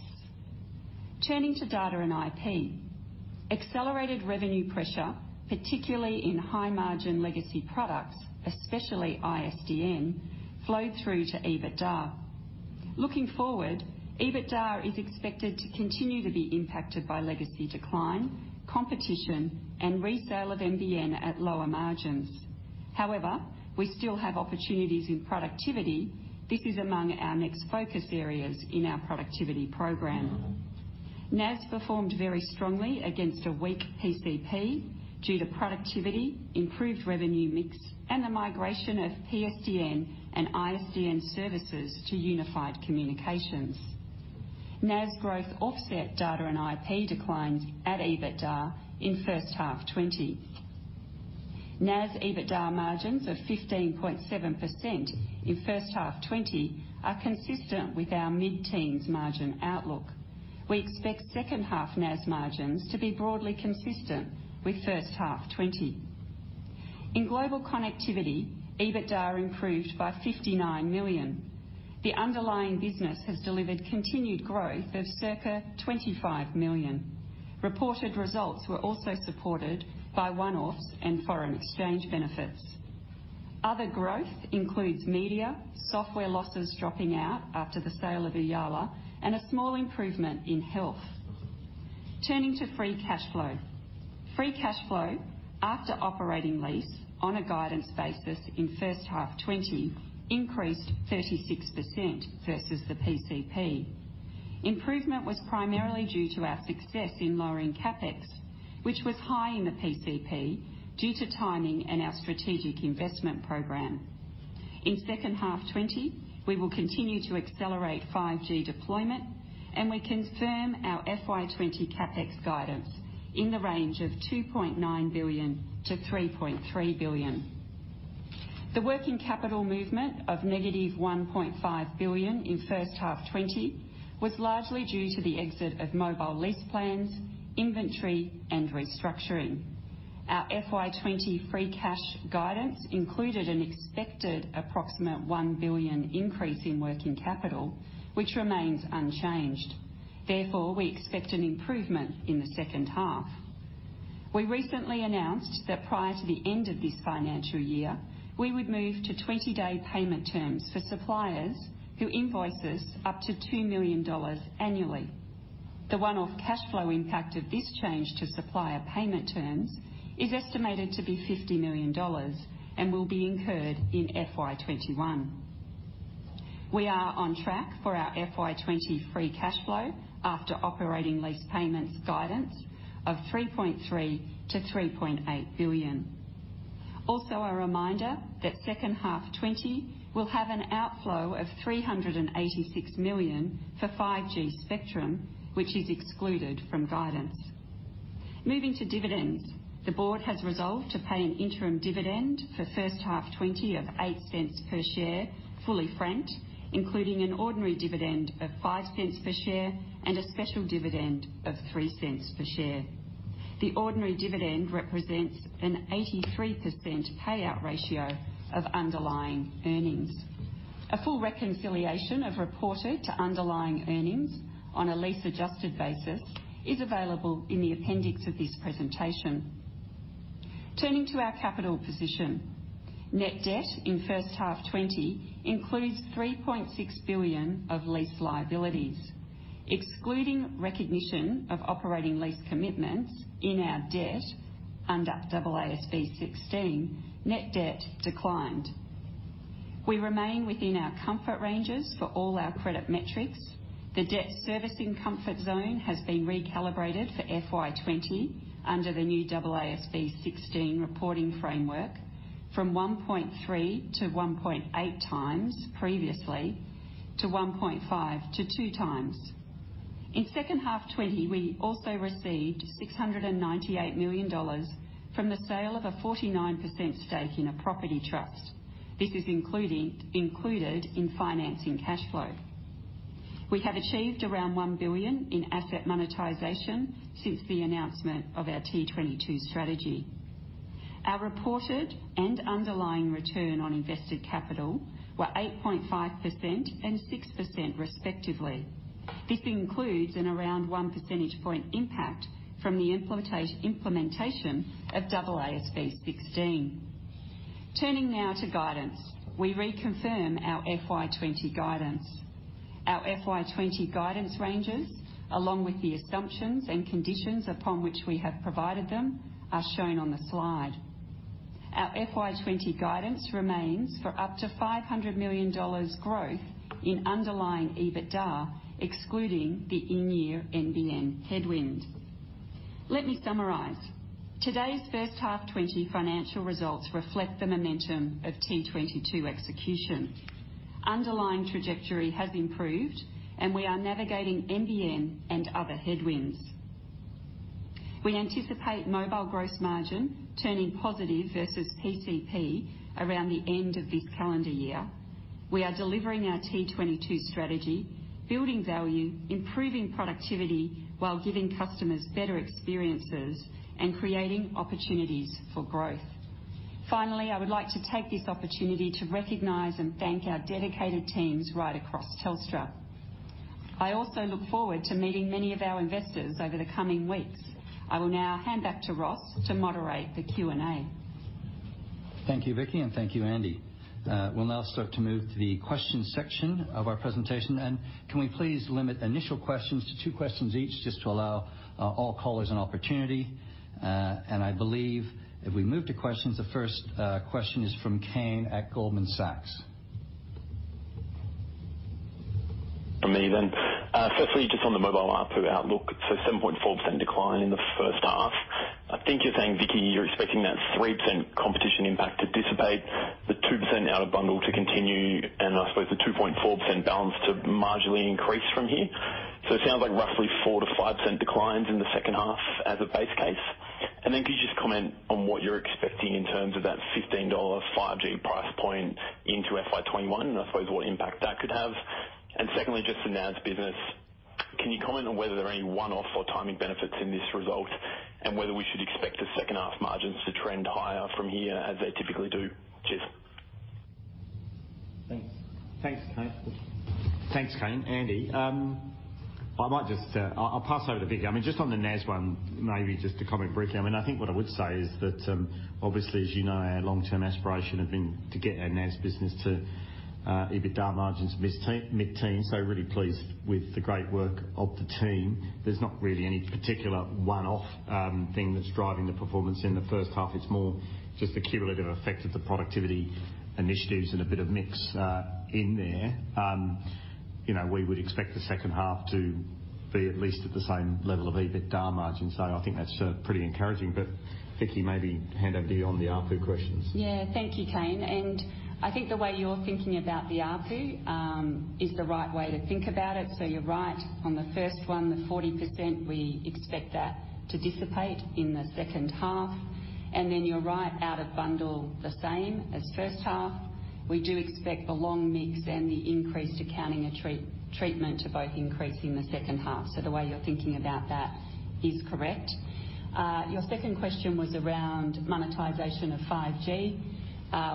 Turning to Data and IP, accelerated revenue pressure, particularly in high-margin legacy products, especially ISDN, flowed through to EBITDA. Looking forward, EBITDA is expected to continue to be impacted by legacy decline, competition, and resale of NBN at lower margins. However, we still have opportunities in productivity. This is among our next focus areas in our productivity program. NAS performed very strongly against a weak PCP due to productivity, improved revenue mix, and the migration of PSTN and ISDN services to unified communications. NAS growth offset Data and IP declines at EBITDA in first half 2020. NAS EBITDA margins of 15.7% in first half 2020 are consistent with our mid-teens margin outlook. We expect second half 2020 NAS margins to be broadly consistent with first half 2020. In Global Connectivity, EBITDA improved by 59 million. The underlying business has delivered continued growth of circa 25 million. Reported results were also supported by one-offs and foreign exchange benefits. Other growth includes media software losses dropping out after the sale of Ooyala and a small improvement in health. Turning to free cash flow. Free cash flow after operating lease on a guidance basis in first half 2020 increased 36% versus the PCP. Improvement was primarily due to our success in lowering CapEx, which was high in the PCP due to timing and our strategic investment program. In second half 2020, we will continue to accelerate 5G deployment, and we confirm our FY 2020 CapEx guidance in the range of 2.9 billion-3.3 billion. The working capital movement of negative 1.5 billion in first half 2020 was largely due to the exit of mobile lease plans, inventory, and restructuring. Our FY 2020 free cash guidance included an expected approximate AUD 1 billion increase in working capital, which remains unchanged. Therefore, we expect an improvement in the second half. We recently announced that prior to the end of this financial year, we would move to 20-day payment terms for suppliers who invoice us up to 2 million dollars annually. The one-off cash flow impact of this change to supplier payment terms is estimated to be 50 million dollars and will be incurred in FY 2021. We are on track for our FY 2023 free cash flow after operating lease payments guidance of 3.3 billion-3.8 billion. Also, a reminder that second half 2020 will have an outflow of 386 million for 5G spectrum, which is excluded from guidance. Moving to dividends, the board has resolved to pay an interim dividend for first half 2020 of 0.08 per share, fully franked, including an ordinary dividend of 0.05 per share and a special dividend of 0.03 per share. The ordinary dividend represents an 83% payout ratio of underlying earnings. A full reconciliation of reported to underlying earnings on a lease-adjusted basis is available in the appendix of this presentation. Turning to our capital position, net debt in first half 2020 includes 3.6 billion of lease liabilities. Excluding recognition of operating lease commitments in our debt under AASB 16, net debt declined. We remain within our comfort ranges for all our credit metrics. The debt servicing comfort zone has been recalibrated for FY 2020 under the new AASB 16 reporting framework from 1.3x-1.8x previously to 1.5x-2x. In second half 2020, we also received 698 million dollars from the sale of a 49% stake in a property trust. This is included in financing cash flow. We have achieved around 1 billion in asset monetisation since the announcement of our T22 strategy. Our reported and underlying return on invested capital were 8.5% and 6% respectively. This includes an around one percentage point impact from the implementation of AASB 16. Turning now to guidance, we reconfirm our FY 2020 guidance. Our FY 2020 guidance ranges, along with the assumptions and conditions upon which we have provided them, are shown on the slide. Our FY 2020 guidance remains for up to 500 million dollars growth in underlying EBITDA, excluding the in-year NBN headwind. Let me summarize. Today's first half 2020 financial results reflect the momentum of T22 execution. Underlying trajectory has improved, and we are navigating NBN and other headwinds. We anticipate mobile gross margin turning positive versus PCP around the end of this calendar year. We are delivering our T22 strategy, building value, improving productivity while giving customers better experiences and creating opportunities for growth. Finally, I would like to take this opportunity to recognize and thank our dedicated teams right across Telstra. I also look forward to meeting many of our investors over the coming weeks. I will now hand back to Ross to moderate the Q&A. Thank you, Vicki, and thank you, Andy. We'll now start to move to the question section of our presentation. Can we please limit initial questions to two questions each, just to allow all callers an opportunity? I believe if we move to questions, the first question is from Kane at Goldman Sachs. From me then. Firstly, just on the mobile ARPU outlook, it's a 7.4% decline in the first half. I think you're saying, Vicki, you're expecting that 3% competition impact to dissipate, the 2% out-of-bundle to continue, and I suppose the 2.4% balance to marginally increase from here. So it sounds like roughly 4%-5% declines in the second half as a base case. Then could you just comment on what you're expecting in terms of that 15 dollars 5G price point into FY 2021 and I suppose what impact that could have? And secondly, just the NAS business, can you comment on whether there are any one-off or timing benefits in this result and whether we should expect the second half margins to trend higher from here as they typically do? Cheers. Thanks. Thanks, Kane. Thanks, Kane. Andy, I might just pass over to Vicki. I mean, just on the NAS one, maybe just to comment briefly. I mean, I think what I would say is that obviously, as you know, our long-term aspiration has been to get our NAS business to EBITDA margins mid-teens. So really pleased with the great work of the team. There's not really any particular one-off thing that's driving the performance in the first half. It's more just the cumulative effect of the productivity initiatives and a bit of mix in there. We would expect the second half to be at least at the same level of EBITDA margin. So I think that's pretty encouraging. But Vicki, maybe hand over to you on the ARPU questions. Yeah. Thank you, Kane. And I think the way you're thinking about the ARPU is the right way to think about it. So you're right on the first one, the 40%, we expect that to dissipate in the second half. And then you're right, out-of-bundle the same as first half. We do expect the Belong mix and the increased accounting treatment to both increase in the second half. So the way you're thinking about that is correct. Your second question was around monetization of 5G.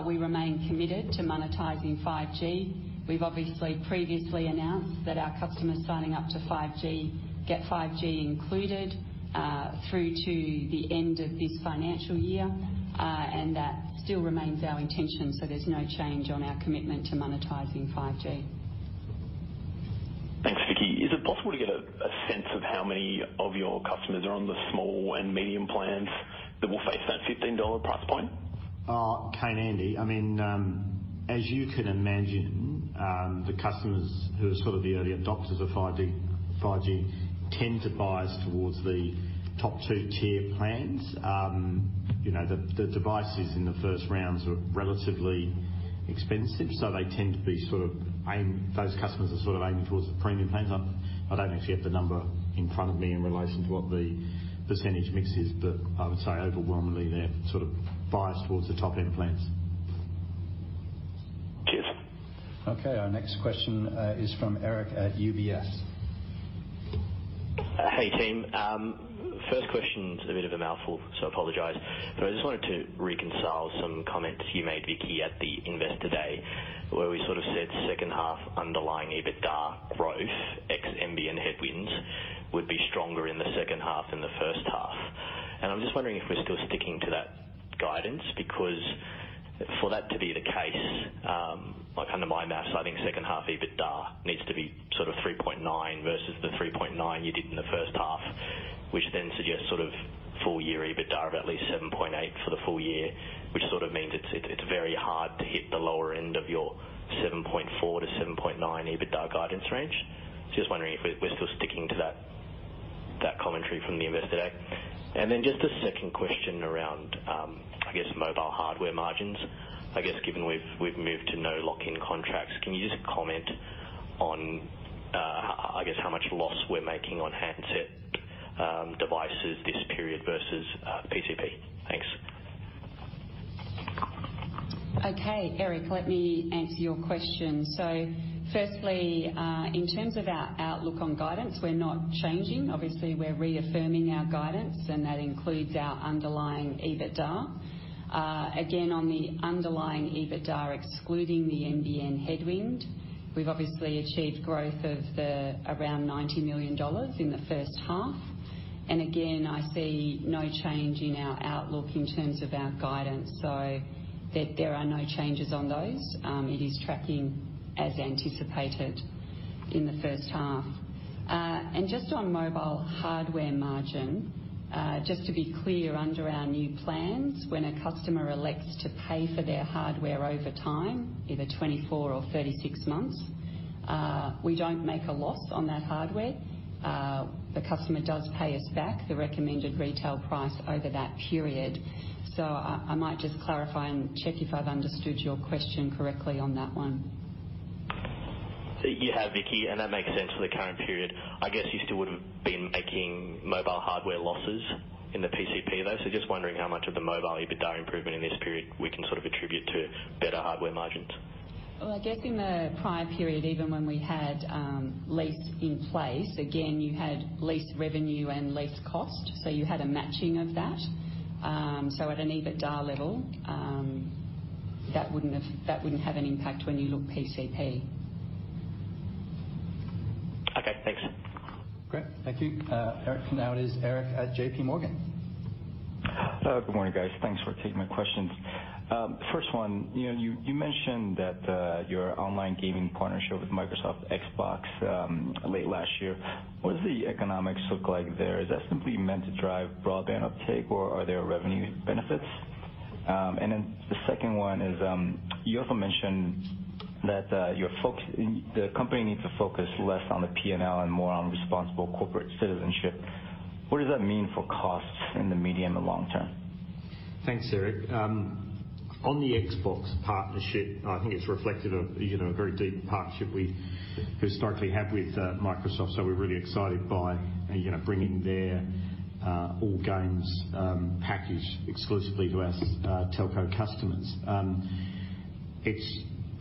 We remain committed to monetizing 5G. We've obviously previously announced that our customers signing up to 5G get 5G included through to the end of this financial year, and that still remains our intention. So there's no change on our commitment to monetizing 5G. Thanks, Vicki. Is it possible to get a sense of how many of your customers are on the small and medium plans that will face that $15 price point? Kane, Andy, I mean, as you can imagine, the customers who are sort of the early adopters of 5G tend to bias towards the top two-tier plans. The devices in the first rounds are relatively expensive, so they tend to be sort of those customers are sort of aiming towards the premium plans. I don't actually have the number in front of me in relation to what the percentage mix is, but I would say overwhelmingly they're sort of biased towards the top-end plans. Cheers. Okay. Our next question is from Eric at UBS. Hey, team. First question's a bit of a mouthful, so I apologize. But I just wanted to reconcile some comments you made, Vicki, at the investor day where we sort of said second half underlying EBITDA growth, ex-NBN headwinds, would be stronger in the second half than the first half. I'm just wondering if we're still sticking to that guidance because for that to be the case, under my math, I think second half EBITDA needs to be sort of 3.9 billion versus the 3.9 billion you did in the first half, which then suggests sort of full-year EBITDA of at least 7.8 billion for the full year, which sort of means it's very hard to hit the lower end of your 7.4 billion-7.9 billion EBITDA guidance range. So just wondering if we're still sticking to that commentary from the investor day. Then just a second question around, I guess, mobile hardware margins. I guess given we've moved to no lock-in contracts, can you just comment on, I guess, how much loss we're making on handset devices this period versus PCP? Thanks. Okay. Eric, let me answer your question. So firstly, in terms of our outlook on guidance, we're not changing. Obviously, we're reaffirming our guidance, and that includes our underlying EBITDA. Again, on the underlying EBITDA, excluding the NBN headwind, we've obviously achieved growth of around 90 million dollars in the first half. Again, I see no change in our outlook in terms of our guidance, so there are no changes on those. It is tracking as anticipated in the first half. Just on mobile hardware margin, just to be clear, under our new plans, when a customer elects to pay for their hardware over time, either 24 months or 36 months, we don't make a loss on that hardware. The customer does pay us back the recommended retail price over that period. So I might just clarify and check if I've understood your question correctly on that one. You have, Vicki, and that makes sense for the current period. I guess you still would have been making mobile hardware losses in the PCP, though. So just wondering how much of the mobile EBITDA improvement in this period we can sort of attribute to better hardware margins. Well, I guess in the prior period, even when we had lease in place, again, you had lease revenue and lease cost, so you had a matching of that. So at an EBITDA level, that wouldn't have an impact when you look PCP. Okay. Thanks. Great. Thank you. Eric, now it is Eric at JPMorgan. Good morning, guys. Thanks for taking my questions. First one, you mentioned that your online gaming partnership with Microsoft Xbox late last year. What does the economics look like there? Is that simply meant to drive broadband uptake, or are there revenue benefits? And then the second one is you also mentioned that the company needs to focus less on the P&L and more on responsible corporate citizenship. What does that mean for costs in the medium and long term? Thanks, Eric. On the Xbox partnership, I think it's reflective of a very deep partnership we historically have with Microsoft. So we're really excited by bringing their all-games package exclusively to our telco customers.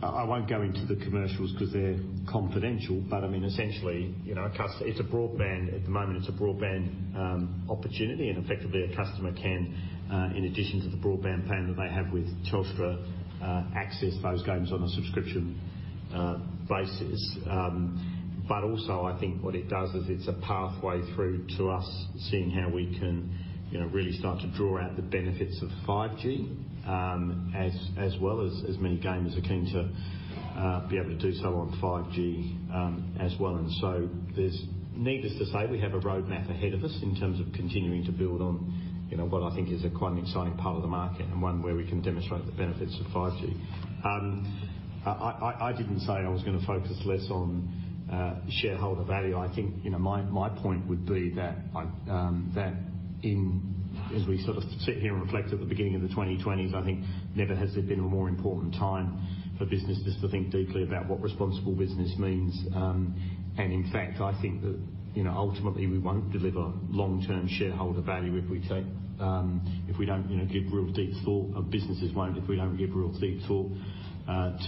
I won't go into the commercials because they're confidential, but I mean, essentially, it's a broadband at the moment. It's a broadband opportunity, and effectively, a customer can, in addition to the broadband plan that they have with Telstra, access those games on a subscription basis. But also, I think what it does is it's a pathway through to us seeing how we can really start to draw out the benefits of 5G, as well as many gamers are keen to be able to do so on 5G as well. And so needless to say, we have a roadmap ahead of us in terms of continuing to build on what I think is a quite an exciting part of the market and one where we can demonstrate the benefits of 5G. I didn't say I was going to focus less on shareholder value. I think my point would be that as we sort of sit here and reflect at the beginning of the 2020s, I think never has there been a more important time for businesses to think deeply about what responsible business means. In fact, I think that ultimately we won't deliver long-term shareholder value if we don't give real deep thought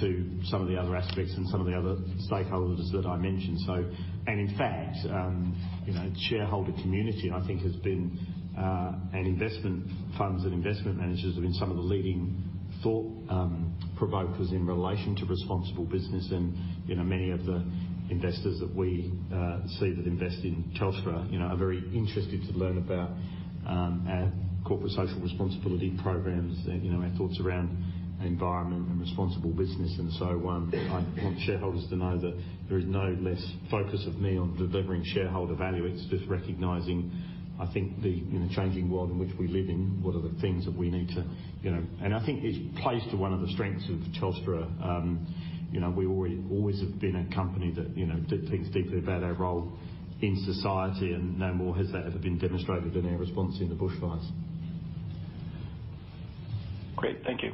to some of the other aspects and some of the other stakeholders that I mentioned. In fact, the shareholder community, I think, has been, and investment funds and investment managers have been some of the leading thought provokers in relation to responsible business. And many of the investors that we see that invest in Telstra are very interested to learn about our corporate social responsibility programs, our thoughts around environment and responsible business. And so I want shareholders to know that there is no less focus of me on delivering shareholder value. It's just recognizing, I think, the changing world in which we live in, what are the things that we need to. I think it's placed to one of the strengths of Telstra. We always have been a company that thinks deeply about our role in society, and no more has that ever been demonstrated in our response in the bushfires. Great. Thank you.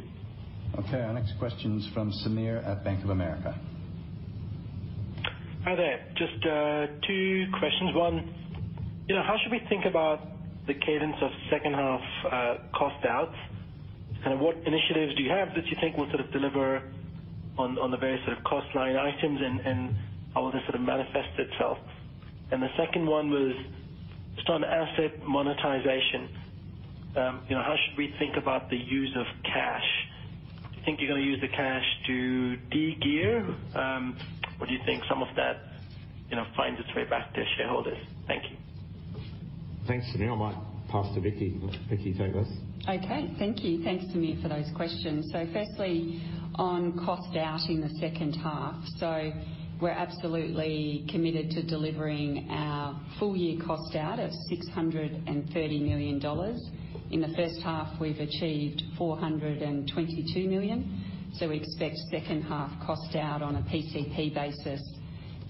Okay. Our next question is from Sameer at Bank of America. Hi there. Just two questions. One, how should we think about the cadence of second half cost outs? Kind of what initiatives do you have that you think will sort of deliver on the various sort of cost line items, and how will this sort of manifest itself? And the second one was just on asset monetization. How should we think about the use of cash? Do you think you're going to use the cash to de-gear, or do you think some of that finds its way back to shareholders? Thank you. Thanks, Sameer. I might pass to Vicki. Vicki, take this. Okay. Thank you. Thanks, Sameer, for those questions. So firstly, on cost out in the second half. So we're absolutely committed to delivering our full-year cost out at 630 million dollars. In the first half, we've achieved 422 million. So we expect second half cost out on a PCP basis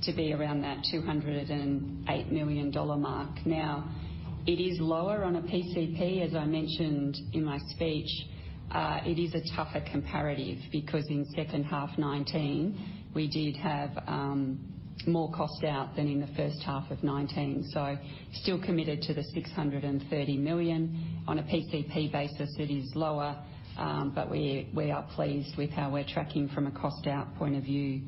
to be around that 208 million dollar mark. Now, it is lower on a PCP, as I mentioned in my speech. It is a tougher comparative because in second half 2019, we did have more cost out than in the first half of 2019. So still committed to the 630 million. On a PCP basis, it is lower, but we are pleased with how we're tracking from a cost out point of view.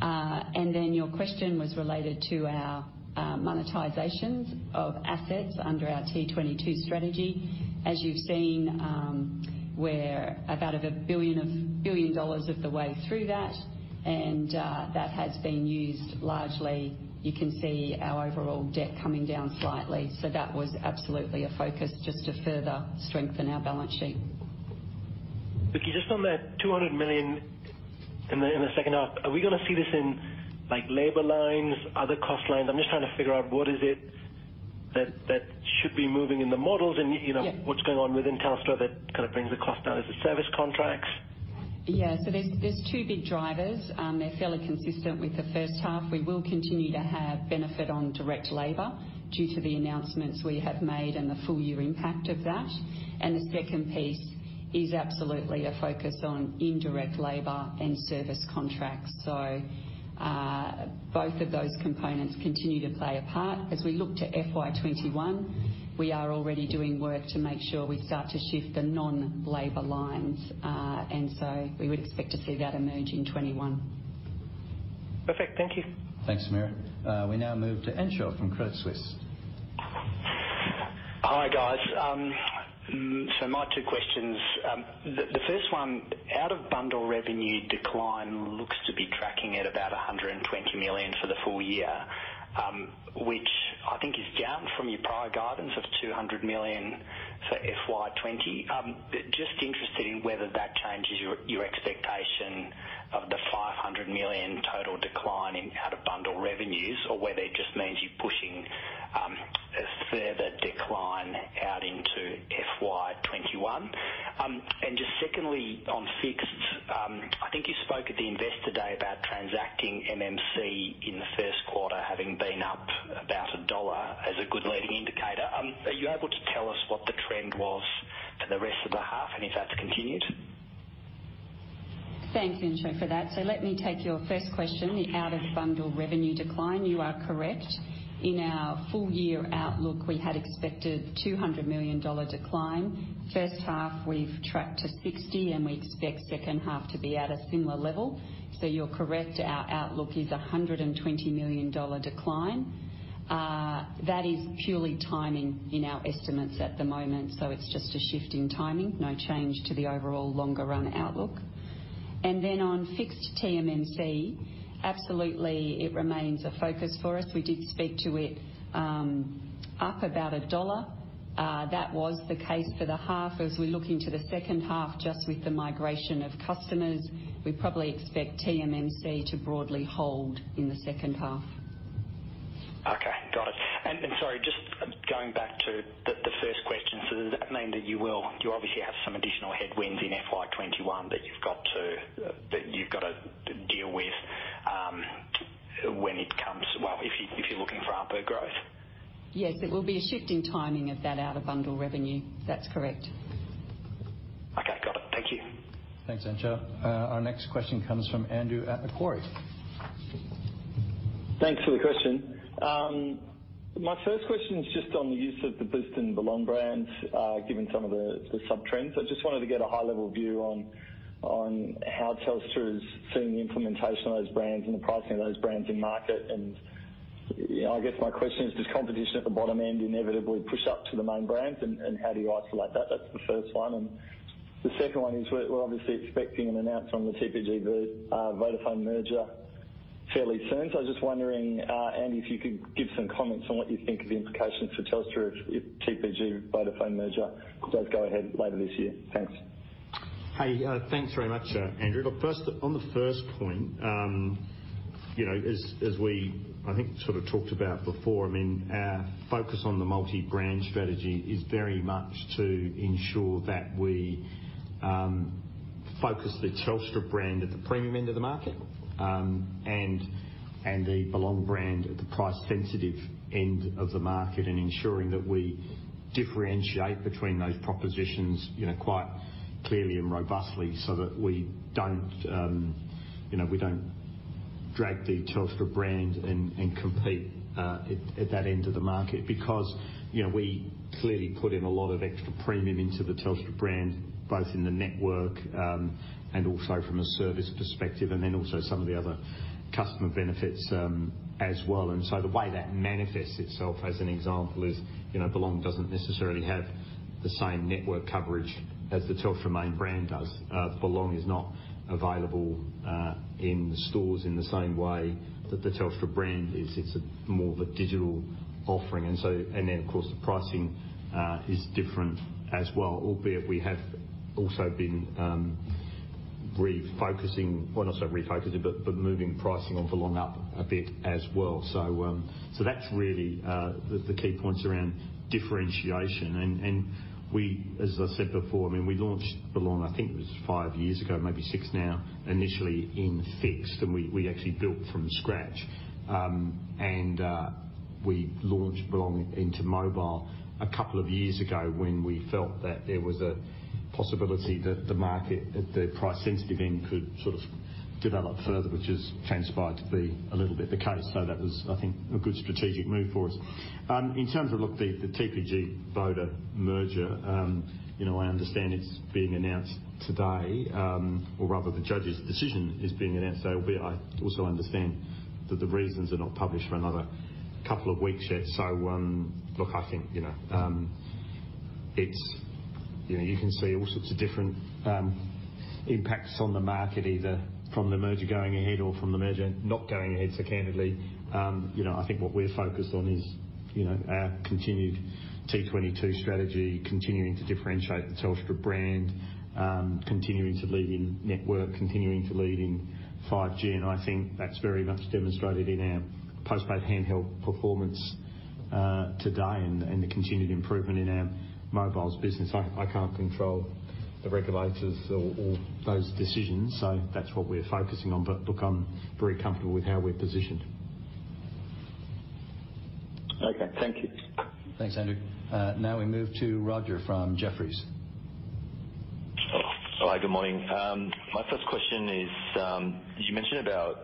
And then your question was related to our monetizations of assets under our T22 strategy. As you've seen, we're about 1 billion dollars of the way through that, and that has been used largely. You can see our overall debt coming down slightly. So that was absolutely a focus just to further strengthen our balance sheet. Vicki, just on that 200 million in the second half, are we going to see this in labor lines, other cost lines? I'm just trying to figure out what is it that should be moving in the models and what's going on within Telstra that kind of brings the cost down as the service contracts? Yeah. So there's two big drivers. They're fairly consistent with the first half. We will continue to have benefit on direct labor due to the announcements we have made and the full-year impact of that. And the second piece is absolutely a focus on indirect labor and service contracts. So both of those components continue to play a part. As we look to FY 2021, we are already doing work to make sure we start to shift the non-labour lines. And so we would expect to see that emerge in 2021. Perfect. Thank you. Thanks, Sameer. We now move to Entcho from Credit Suisse. Hi, guys. So my two questions. The first one, out-of-bundle revenue decline looks to be tracking at about 120 million for the full year, which I think is down from your prior guidance of 200 million for FY 2020. Just interested in whether that changes your expectation of the 500 million total decline in out-of-bundle revenues or whether it just means you're pushing a further decline out into FY 2021. And just secondly, on fixed, I think you spoke at the investor day about transacting TMMC in the first quarter having been up about a dollar as a good leading indicator. Are you able to tell us what the trend was for the rest of the half and if that's continued? Thanks, Andrew, for that. So let me take your first question, the out-of-bundle revenue decline. You are correct. In our full-year outlook, we had expected a 200 million dollar decline. First half, we've tracked to 60 million, and we expect second half to be at a similar level. So you're correct. Our outlook is a 120 million dollar decline. That is purely timing in our estimates at the moment. So it's just a shift in timing, no change to the overall longer-run outlook. And then on fixed TMMC, absolutely, it remains a focus for us. We did speak to it up about a dollar. That was the case for the half. As we're looking to the second half, just with the migration of customers, we probably expect TMMC to broadly hold in the second half. Okay. Got it. And sorry, just going back to the first question, so does that mean that you obviously have some additional headwinds in FY 2021 that you've got to deal with when it comes well, if you're looking for out-of-bundle growth? Yes. It will be a shift in timing of that out-of-bundle revenue. That's correct. Okay. Got it. Thank you. Thanks, Eric. Our next question comes from Andrew at Macquarie. Thanks for the question. My first question is just on the use of the Boost and Belong brands, given some of the sub-trends. I just wanted to get a high-level view on how Telstra is seeing the implementation of those brands and the pricing of those brands in market. And I guess my question is, does competition at the bottom end inevitably push up to the main brands, and how do you isolate that? That's the first one. And the second one is we're obviously expecting an announcement on the TPG Vodafone merger fairly soon. So I was just wondering, Andy, if you could give some comments on what you think of the implications for Telstra if TPG Vodafone merger does go ahead later this year. Thanks. Hey, thanks very much, Andrew. But first, on the first point, as we, I think, sort of talked about before, I mean, our focus on the multi-brand strategy is very much to ensure that we focus the Telstra brand at the premium end of the market and the Belong brand at the price-sensitive end of the market and ensuring that we differentiate between those propositions quite clearly and robustly so that we don't drag the Telstra brand and compete at that end of the market because we clearly put in a lot of extra premium into the Telstra brand, both in the network and also from a service perspective, and then also some of the other customer benefits as well. And so the way that manifests itself, as an example, is Belong doesn't necessarily have the same network coverage as the Telstra main brand does. Belong is not available in the stores in the same way that the Telstra brand is. It's more of a digital offering. And then, of course, the pricing is different as well, albeit we have also been refocusing well, not so refocusing, but moving pricing on Belong up a bit as well. So that's really the key points around differentiation. And as I said before, I mean, we launched Belong, I think it was five years ago, maybe six now, initially in fixed, and we actually built from scratch. And we launched Belong into mobile a couple of years ago when we felt that there was a possibility that the market at the price-sensitive end could sort of develop further, which has transpired to be a little bit the case. So that was, I think, a good strategic move for us. In terms of, look, the TPG Vodafone merger, I understand it's being announced today, or rather, the judge's decision is being announced today, albeit I also understand that the reasons are not published for another couple of weeks yet. So, look, I think you can see all sorts of different impacts on the market, either from the merger going ahead or from the merger not going ahead. So, candidly, I think what we're focused on is our continued T22 strategy, continuing to differentiate the Telstra brand, continuing to lead in network, continuing to lead in 5G. And I think that's very much demonstrated in our postpaid handheld performance today and the continued improvement in our mobiles business. I can't control the regulators or those decisions. So that's what we're focusing on. But look, I'm very comfortable with how we're positioned. Okay. Thank you. Thanks, Andrew. Now we move to Roger from Jefferies. Hi. Good morning. My first question is, you mentioned about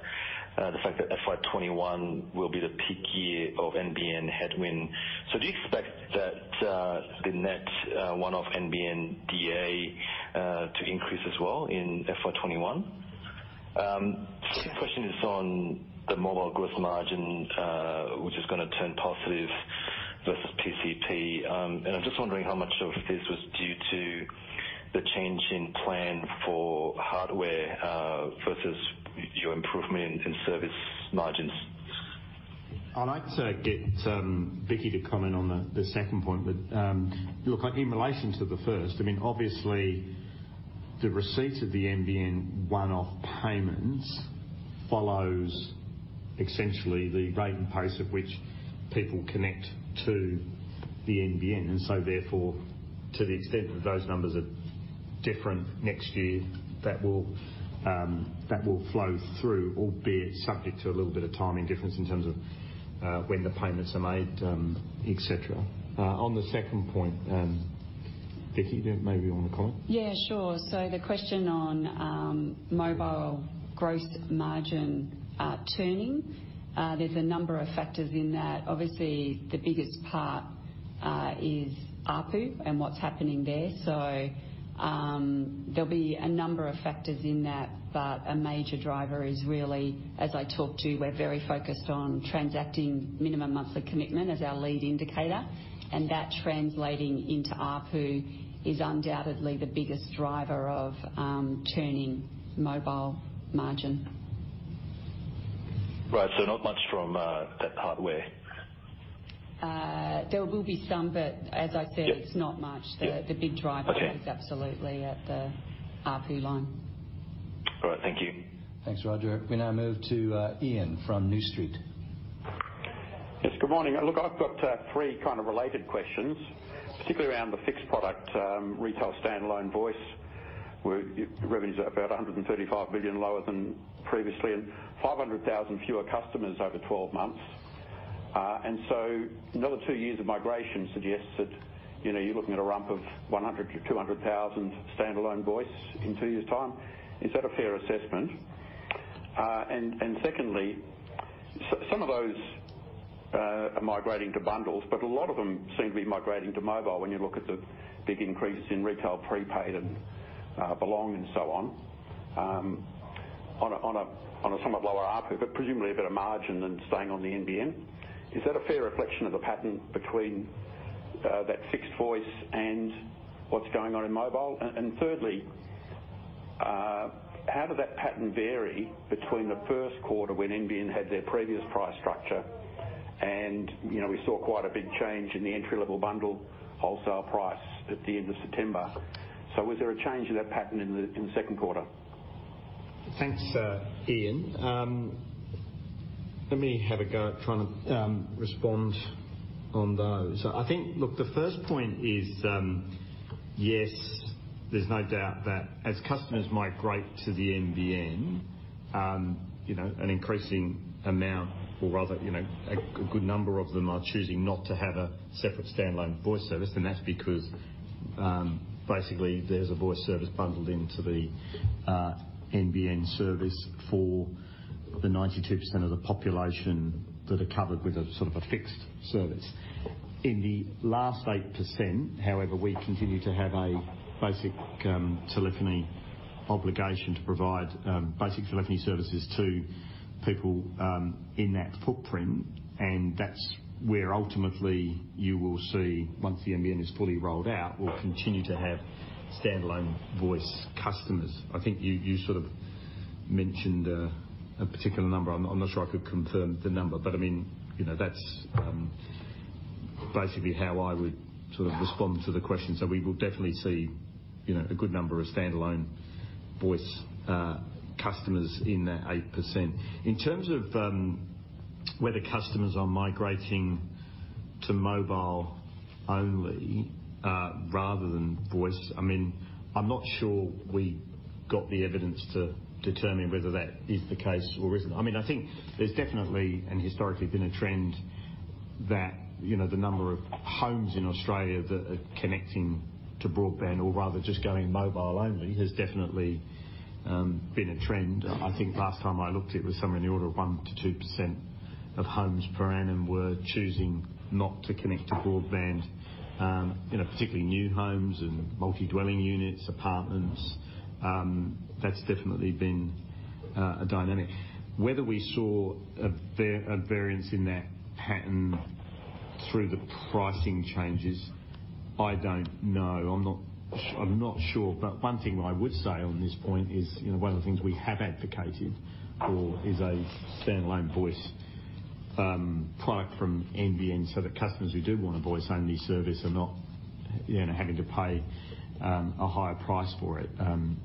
the fact that FY 2021 will be the peak year of NBN headwind. So do you expect that the net one-off NBN DA to increase as well in FY 2021? The second question is on the mobile growth margin, which is going to turn positive versus PCP. And I'm just wondering how much of this was due to the change in plan for hardware versus your improvement in service margins. I'd like to get Vicki to comment on the second point. Look, in relation to the first, I mean, obviously, the receipt of the NBN one-off payments follows essentially the rate and pace at which people connect to the NBN. And so, therefore, to the extent that those numbers are different next year, that will flow through, albeit subject to a little bit of timing difference in terms of when the payments are made, etc. On the second point, Vicki, maybe you want to comment? Yeah, sure. So the question on mobile growth margin turning, there's a number of factors in that. Obviously, the biggest part is ARPU and what's happening there. So there'll be a number of factors in that, but a major driver is really, as I talked to, we're very focused on transacting minimum monthly commitment as our lead indicator. And that translating into ARPU is undoubtedly the biggest driver of turning mobile margin. Right. So not much from that hardware. There will be some, but as I said, it's not much. The big driver is absolutely at the ARPU line. All right. Thank you. Thanks, Roger. We now move to Ian from New Street. Yes. Good morning. Look, I've got 3 kind of related questions, particularly around the fixed product retail standalone voice, where revenues are about 135 million lower than previously and 500,000 fewer customers over 12 months. And so another 2 years of migration suggests that you're looking at a rump of 100,000 standalone voices-200,000 standalone voice in 2 years' time. Is that a fair assessment? And secondly, some of those are migrating to bundles, but a lot of them seem to be migrating to mobile when you look at the big increase in retail prepaid and Belong and so on on a somewhat lower ARPU, but presumably a bit of margin and staying on the NBN. Is that a fair reflection of the pattern between that fixed voice and what's going on in mobile? And thirdly, how did that pattern vary between the first quarter when NBN had their previous price structure and we saw quite a big change in the entry-level bundle wholesale price at the end of September? So was there a change in that pattern in the second quarter? Thanks, Ian. Let me have a go at trying to respond on those. I think, look, the first point is, yes, there's no doubt that as customers migrate to the NBN, an increasing amount, or rather, a good number of them are choosing not to have a separate standalone voice service. And that's because, basically, there's a voice service bundled into the NBN service for the 92% of the population that are covered with a sort of a fixed service. In the last 8%, however, we continue to have a basic telephony obligation to provide basic telephony services to people in that footprint. And that's where ultimately you will see, once the NBN is fully rolled out, we'll continue to have standalone voice customers. I think you sort of mentioned a particular number. I'm not sure I could confirm the number, but I mean, that's basically how I would sort of respond to the question. So we will definitely see a good number of standalone voice customers in that 8%. In terms of whether customers are migrating to mobile only rather than voice, I mean, I'm not sure we got the evidence to determine whether that is the case or isn't. I mean, I think there's definitely and historically been a trend that the number of homes in Australia that are connecting to broadband, or rather just going mobile only, has definitely been a trend. I think last time I looked, it was somewhere in the order of 1%-2% of homes per annum were choosing not to connect to broadband, particularly new homes and multi-dwelling units, apartments. That's definitely been a dynamic. Whether we saw a variance in that pattern through the pricing changes, I don't know. I'm not sure. But one thing I would say on this point is one of the things we have advocated for is a standalone voice product from NBN so that customers who do want a voice-only service are not having to pay a higher price for it,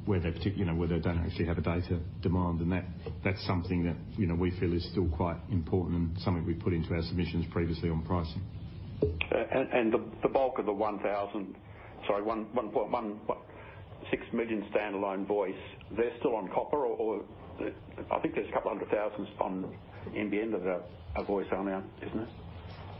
where they don't actually have a data demand. That's something that we feel is still quite important and something we've put into our submissions previously on pricing. And the bulk of the 1,000 sorry, 1.6 million standalone voice, they're still on copper, or I think there's a couple of hundred thousand on NBN that are voice-only, isn't it?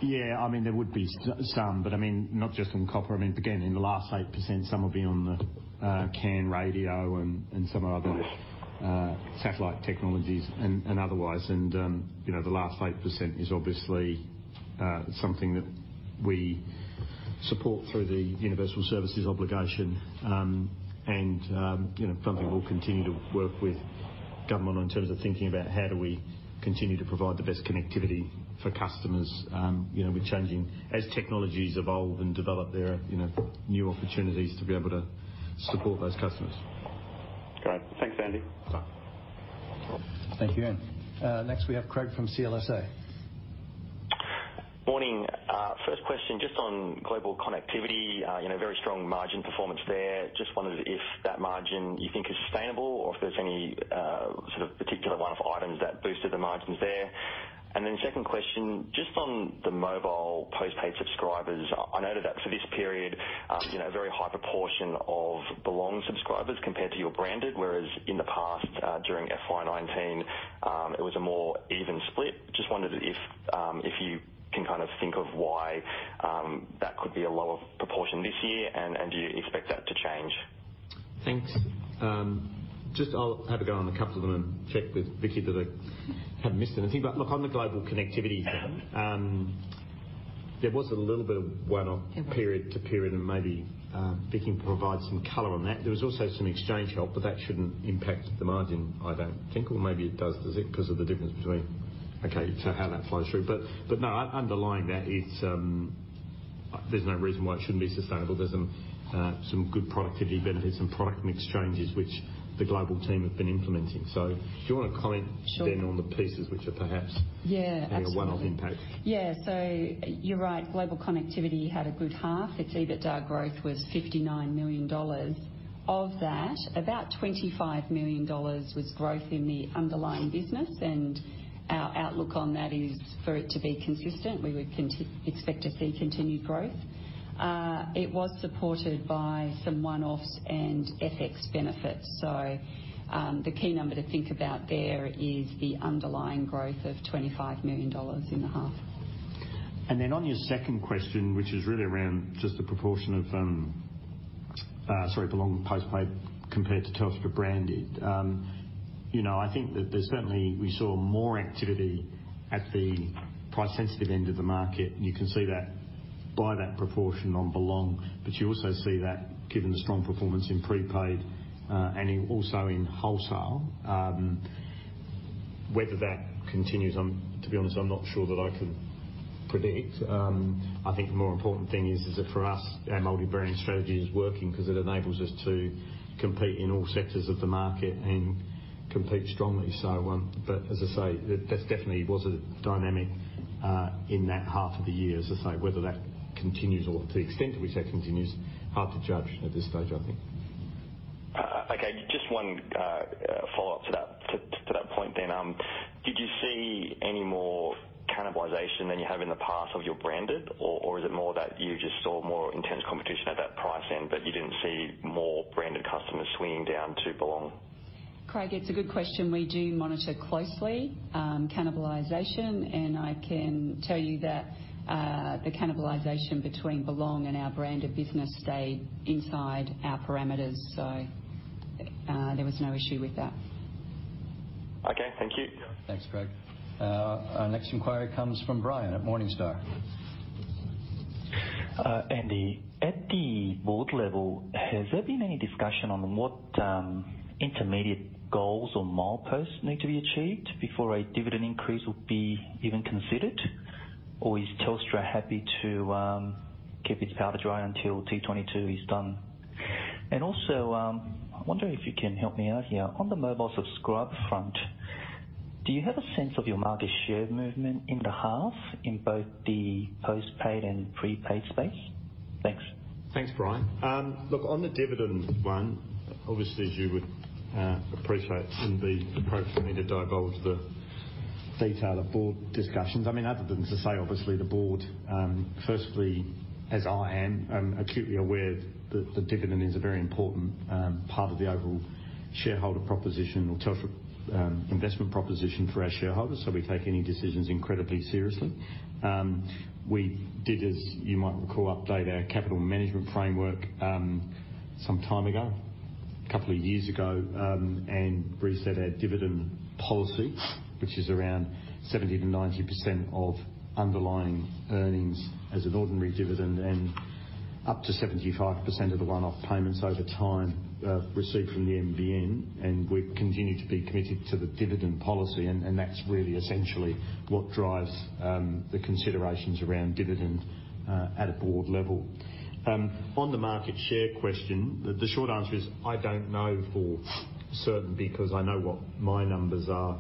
Yeah. I mean, there would be some, but I mean, not just on copper. I mean, again, in the last 8%, some will be on the CAN radio and some of other satellite technologies and otherwise. And the last 8% is obviously something that we support through the Universal Service Obligation. And something we'll continue to work with government on in terms of thinking about how do we continue to provide the best connectivity for customers with changing as technologies evolve and develop their new opportunities to be able to support those customers. Great. Thanks, Andy. Thank you, Ian. Next, we have Craig from CLSA. Morning. First question, just on Global Connectivity, very strong margin performance there. Just wondered if that margin you think is sustainable or if there's any sort of particular one-off items that boosted the margins there. And then second question, just on the mobile postpaid subscribers, I noted that for this period, a very high proportion of Belong subscribers compared to your branded, whereas in the past, during FY 2019, it was a more even split. Just wondered if you can kind of think of why that could be a lower proportion this year, and do you expect that to change? Thanks. Just I'll have a go on a couple of them and check with Vicki that I haven't missed anything. But look, on the Global Connectivity thing, there was a little bit of one-off period to period, and maybe Vicki can provide some color on that. There was also some exchange help, but that shouldn't impact the margin, I don't think. Or maybe it does, does it, because of the difference between okay, so how that flows through. But no, underlying that is there's no reason why it shouldn't be sustainable. There's some good productivity benefits and product and exchanges which the global team have been implementing. So do you want to comment then on the pieces which are perhaps having a one-off impact? Yeah. So you're right. Global Connectivity had a good half. Its EBITDA growth was 59 million dollars. Of that, about 25 million dollars was growth in the underlying business. And our outlook on that is for it to be consistent. We would expect to see continued growth. It was supported by some one-offs and FX benefits. So the key number to think about there is the underlying growth of 25 million dollars in the half. And then on your second question, which is really around just the proportion of, sorry, Belong postpaid compared to Telstra branded, I think that there's certainly we saw more activity at the price-sensitive end of the market. And you can see that by that proportion on Belong. But you also see that given the strong performance in prepaid and also in wholesale, whether that continues. To be honest, I'm not sure that I can predict. I think the more important thing is that for us, our multi-brand strategy is working because it enables us to compete in all sectors of the market and compete strongly. But as I say, that definitely was a dynamic in that half of the year. As I say, whether that continues or to the extent to which that continues, hard to judge at this stage, I think. Okay. Just one follow-up to that point then. Did you see any more cannibalization than you have in the past of your branded, or is it more that you just saw more intense competition at that price end, but you didn't see more branded customers swinging down to Belong? Craig, it's a good question. We do monitor closely cannibalization. And I can tell you that the cannibalization between Belong and our branded business stayed inside our parameters. So there was no issue with that. Okay. Thank you. Thanks, Craig. Our next inquiry comes from Brian at Morningstar. Andy, at the board level, has there been any discussion on what intermediate goals or mileposts need to be achieved before a dividend increase will be even considered? Or is Telstra happy to keep its powder dry until T22 is done? And also, I wonder if you can help me out here. On the mobile subscriber front, do you have a sense of your market share movement in the half in both the postpaid and prepaid space? Thanks. Thanks, Brian. Look, on the dividend one, obviously, as you would appreciate, it would be appropriate for me to divulge the detail of board discussions. I mean, other than to say, obviously, the board, firstly, as I am, I'm acutely aware that the dividend is a very important part of the overall shareholder proposition or Telstra investment proposition for our shareholders. So we take any decisions incredibly seriously. We did, as you might recall, update our capital management framework some time ago, a couple of years ago, and reset our dividend policy, which is around 70%-90% of underlying earnings as an ordinary dividend and up to 75% of the one-off payments over time received from the NBN. We continue to be committed to the dividend policy. That's really essentially what drives the considerations around dividend at a board level. On the market share question, the short answer is I don't know for certain because I know what my numbers are,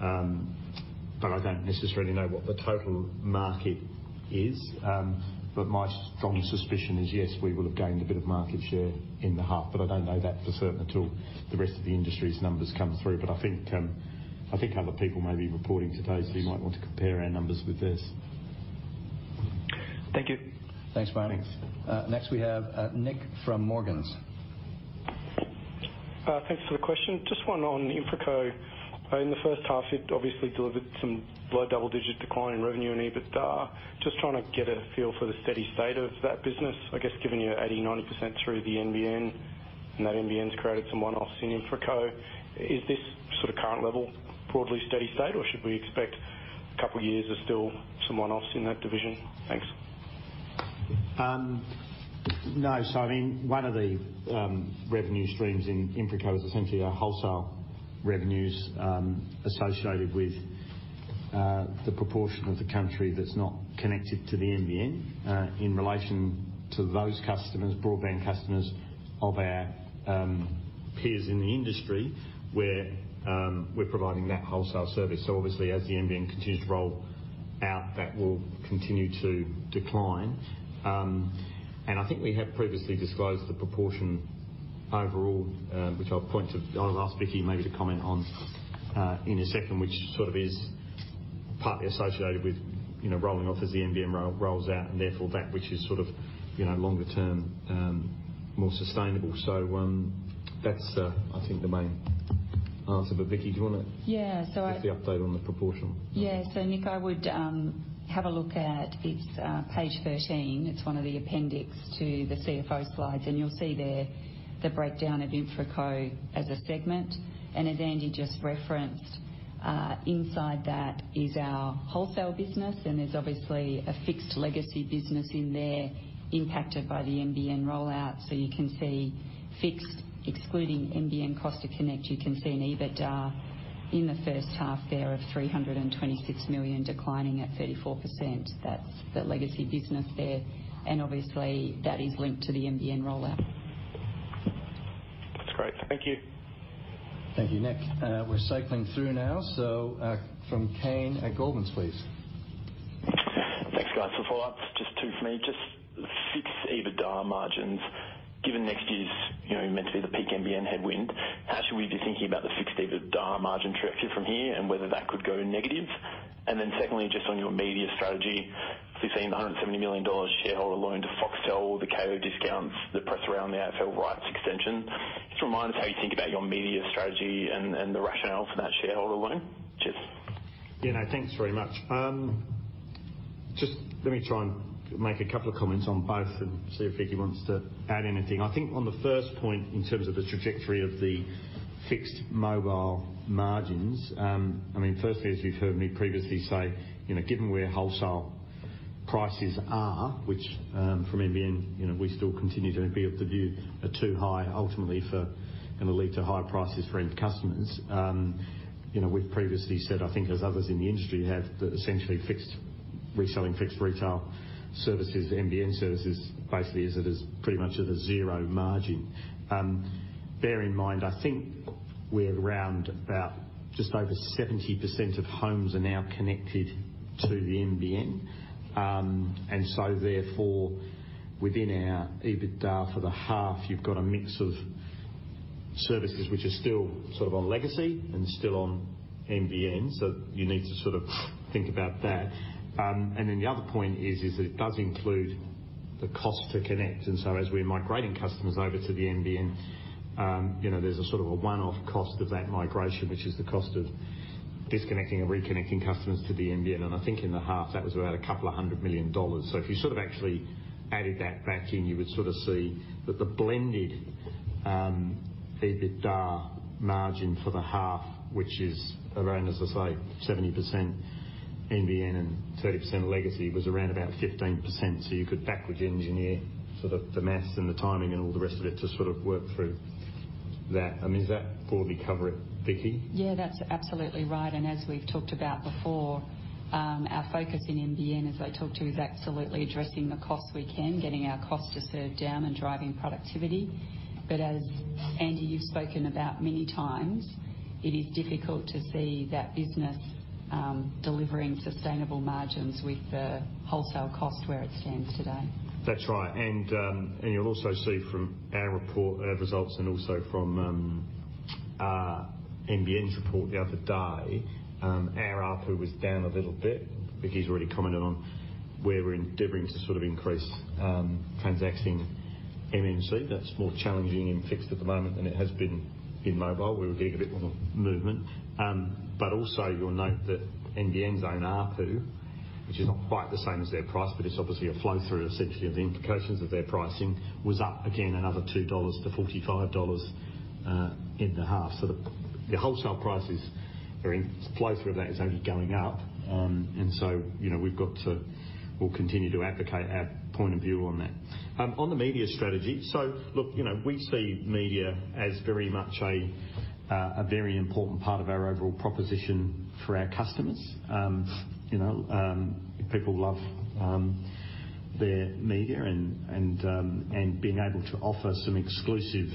but I don't necessarily know what the total market is. But my strong suspicion is, yes, we will have gained a bit of market share in the half. But I don't know that for certain until the rest of the industry's numbers come through. But I think other people may be reporting today, so you might want to compare our numbers with this. Thank you. Thanks, Brian. Thanks. Next, we have Nick from Morgans. Thanks for the question. Just one on InfraCo. In the first half, it obviously delivered some low double-digit decline in revenue and EBIT. Just trying to get a feel for the steady state of that business. I guess given you 80%-90% through the NBN and that NBN's created some one-offs in InfraCo, is this sort of current level broadly steady state, or should we expect a couple of years of still some one-offs in that division? Thanks. So, I mean, one of the revenue streams in InfraCo is essentially our wholesale revenues associated with the proportion of the country that's not connected to the NBN in relation to those customers, broadband customers of our peers in the industry where we're providing that wholesale service. So obviously, as the NBN continues to roll out, that will continue to decline. And I think we have previously disclosed the proportion overall, which I'll point to, I'll ask Vicki maybe to comment on in a second, which sort of is partly associated with rolling off as the NBN rolls out and therefore that which is sort of longer term, more sustainable. So that's, I think, the main answer. But Vicki, do you want to give us the update on the proportion? Yeah. So Nick, I would have a look at its Page 13. It's one of the appendix to the CFO slides. You'll see there the breakdown of InfraCo as a segment. As Andy just referenced, inside that is our wholesale business. There's obviously a fixed legacy business in there impacted by the NBN rollout. So you can see fixed, excluding NBN cost to connect, you can see an EBITDA in the first half there of 326 million declining at 34%. That's the legacy business there. And obviously, that is linked to the NBN rollout. That's great. Thank you. Thank you, Nick. We're cycling through now. So from Kane at Goldman Sachs, please. Thanks, Brian. Some follow-ups. Just two for me. Just fixed EBITDA margins, given next year's meant to be the peak NBN headwind, how should we be thinking about the fixed EBITDA margin trajectory from here and whether that could go negative? And then secondly, just on your media strategy, obviously seeing the $170 million shareholder loan to Foxtel or the Kayo discounts that press around the AFL rights extension. Just remind us how you think about your media strategy and the rationale for that shareholder loan. Just. Yeah. No, thanks very much. Just let me try and make a couple of comments on both and see if Vicki wants to add anything. I think on the first point in terms of the trajectory of the fixed mobile margins, I mean, firstly, as you've heard me previously say, given where wholesale prices are, which from NBN, we still continue to be of the view are too high ultimately for going to lead to higher prices for end customers. We've previously said, I think, as others in the industry have, that essentially fixed reselling fixed retail services, NBN services, basically is pretty much at a zero margin. Bear in mind, I think we're around about just over 70% of homes are now connected to the NBN. And so therefore, within our EBITDA for the half, you've got a mix of services which are still sort of on legacy and still on NBN. So you need to sort of think about that. And then the other point is that it does include the cost to connect. And so as we're migrating customers over to the NBN, there's a sort of a one-off cost of that migration, which is the cost of disconnecting and reconnecting customers to the NBN. And I think in the half, that was about 200 million dollars. So if you sort of actually added that back in, you would sort of see that the blended EBITDA margin for the half, which is around, as I say, 70% NBN and 30% legacy, was around about 15%. So you could backwards engineer sort of the math and the timing and all the rest of it to sort of work through that. I mean, does that broadly cover it, Vicki? Yeah. That's absolutely right. And as we've talked about before, our focus in NBN, as I talk to, is absolutely addressing the costs we can, getting our costs to serve down and driving productivity. But as Andy, you've spoken about many times, it is difficult to see that business delivering sustainable margins with the wholesale cost where it stands today. That's right. You'll also see from our report, our results, and also from our NBN's report the other day, our ARPU was down a little bit. Vicki's already commented on where we're endeavoring to sort of increase transacting MMC. That's more challenging in fixed at the moment than it has been in mobile. We were getting a bit more movement. But also, you'll note that NBN's own ARPU, which is not quite the same as their price, but it's obviously a flow through essentially of the implications of their pricing, was up again another 2 dollars to 45 dollars in the half. So the wholesale prices are in flow through that is only going up. And so we've got to continue to advocate our point of view on that. On the media strategy, so look, we see media as very much a very important part of our overall proposition for our customers. People love their media and being able to offer some exclusive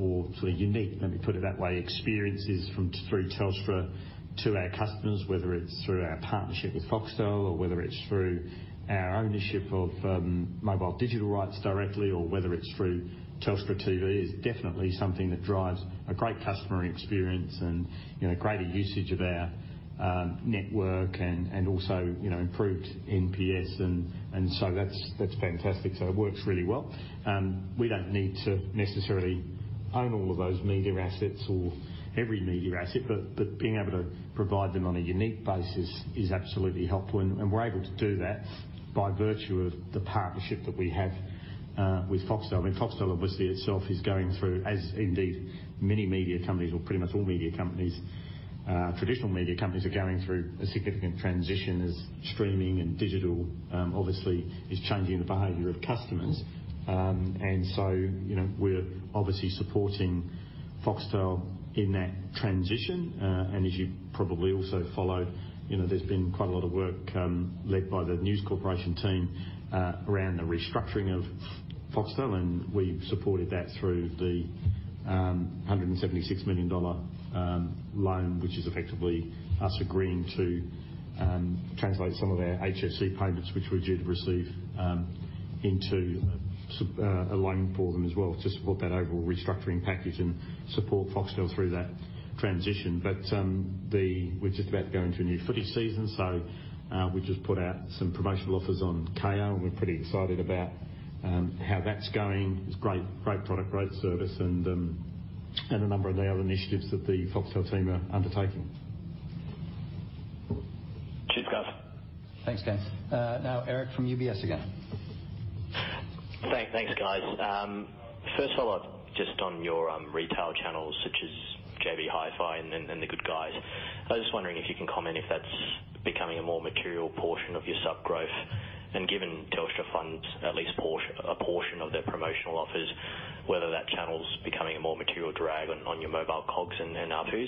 or sort of unique, let me put it that way, experiences through Telstra to our customers, whether it's through our partnership with Foxtel or whether it's through our ownership of mobile digital rights directly or whether it's through Telstra TV is definitely something that drives a great customer experience and greater usage of our network and also improved NPS. And so that's fantastic. So it works really well. We don't need to necessarily own all of those media assets or every media asset, but being able to provide them on a unique basis is absolutely helpful. And we're able to do that by virtue of the partnership that we have with Foxtel. I mean, Foxtel, obviously, itself is going through, as indeed many media companies or pretty much all media companies, traditional media companies are going through a significant transition as streaming and digital, obviously, is changing the behavior of customers. So we're obviously supporting Foxtel in that transition. As you probably also followed, there's been quite a lot of work led by the News Corporation team around the restructuring of Foxtel. We've supported that through the 176 million dollar loan, which is effectively us agreeing to translate some of our HFC payments, which we're due to receive, into a loan for them as well to support that overall restructuring package and support Foxtel through that transition. We're just about to go into a new footy season. We just put out some promotional offers on Kayo. We're pretty excited about how that's going. It's great product, great service, and a number of the other initiatives that the Foxtel team are undertaking. Cheers, guys. Thanks, Kane. Now, Eric from UBS again. Thanks, guys. First follow-up, just on your retail channels such as JB Hi-Fi and The Good Guys. I was just wondering if you can comment if that's becoming a more material portion of your subgrowth. And given Telstra funds at least a portion of their promotional offers, whether that channel's becoming a more material drag on your mobile COGS and ARPU.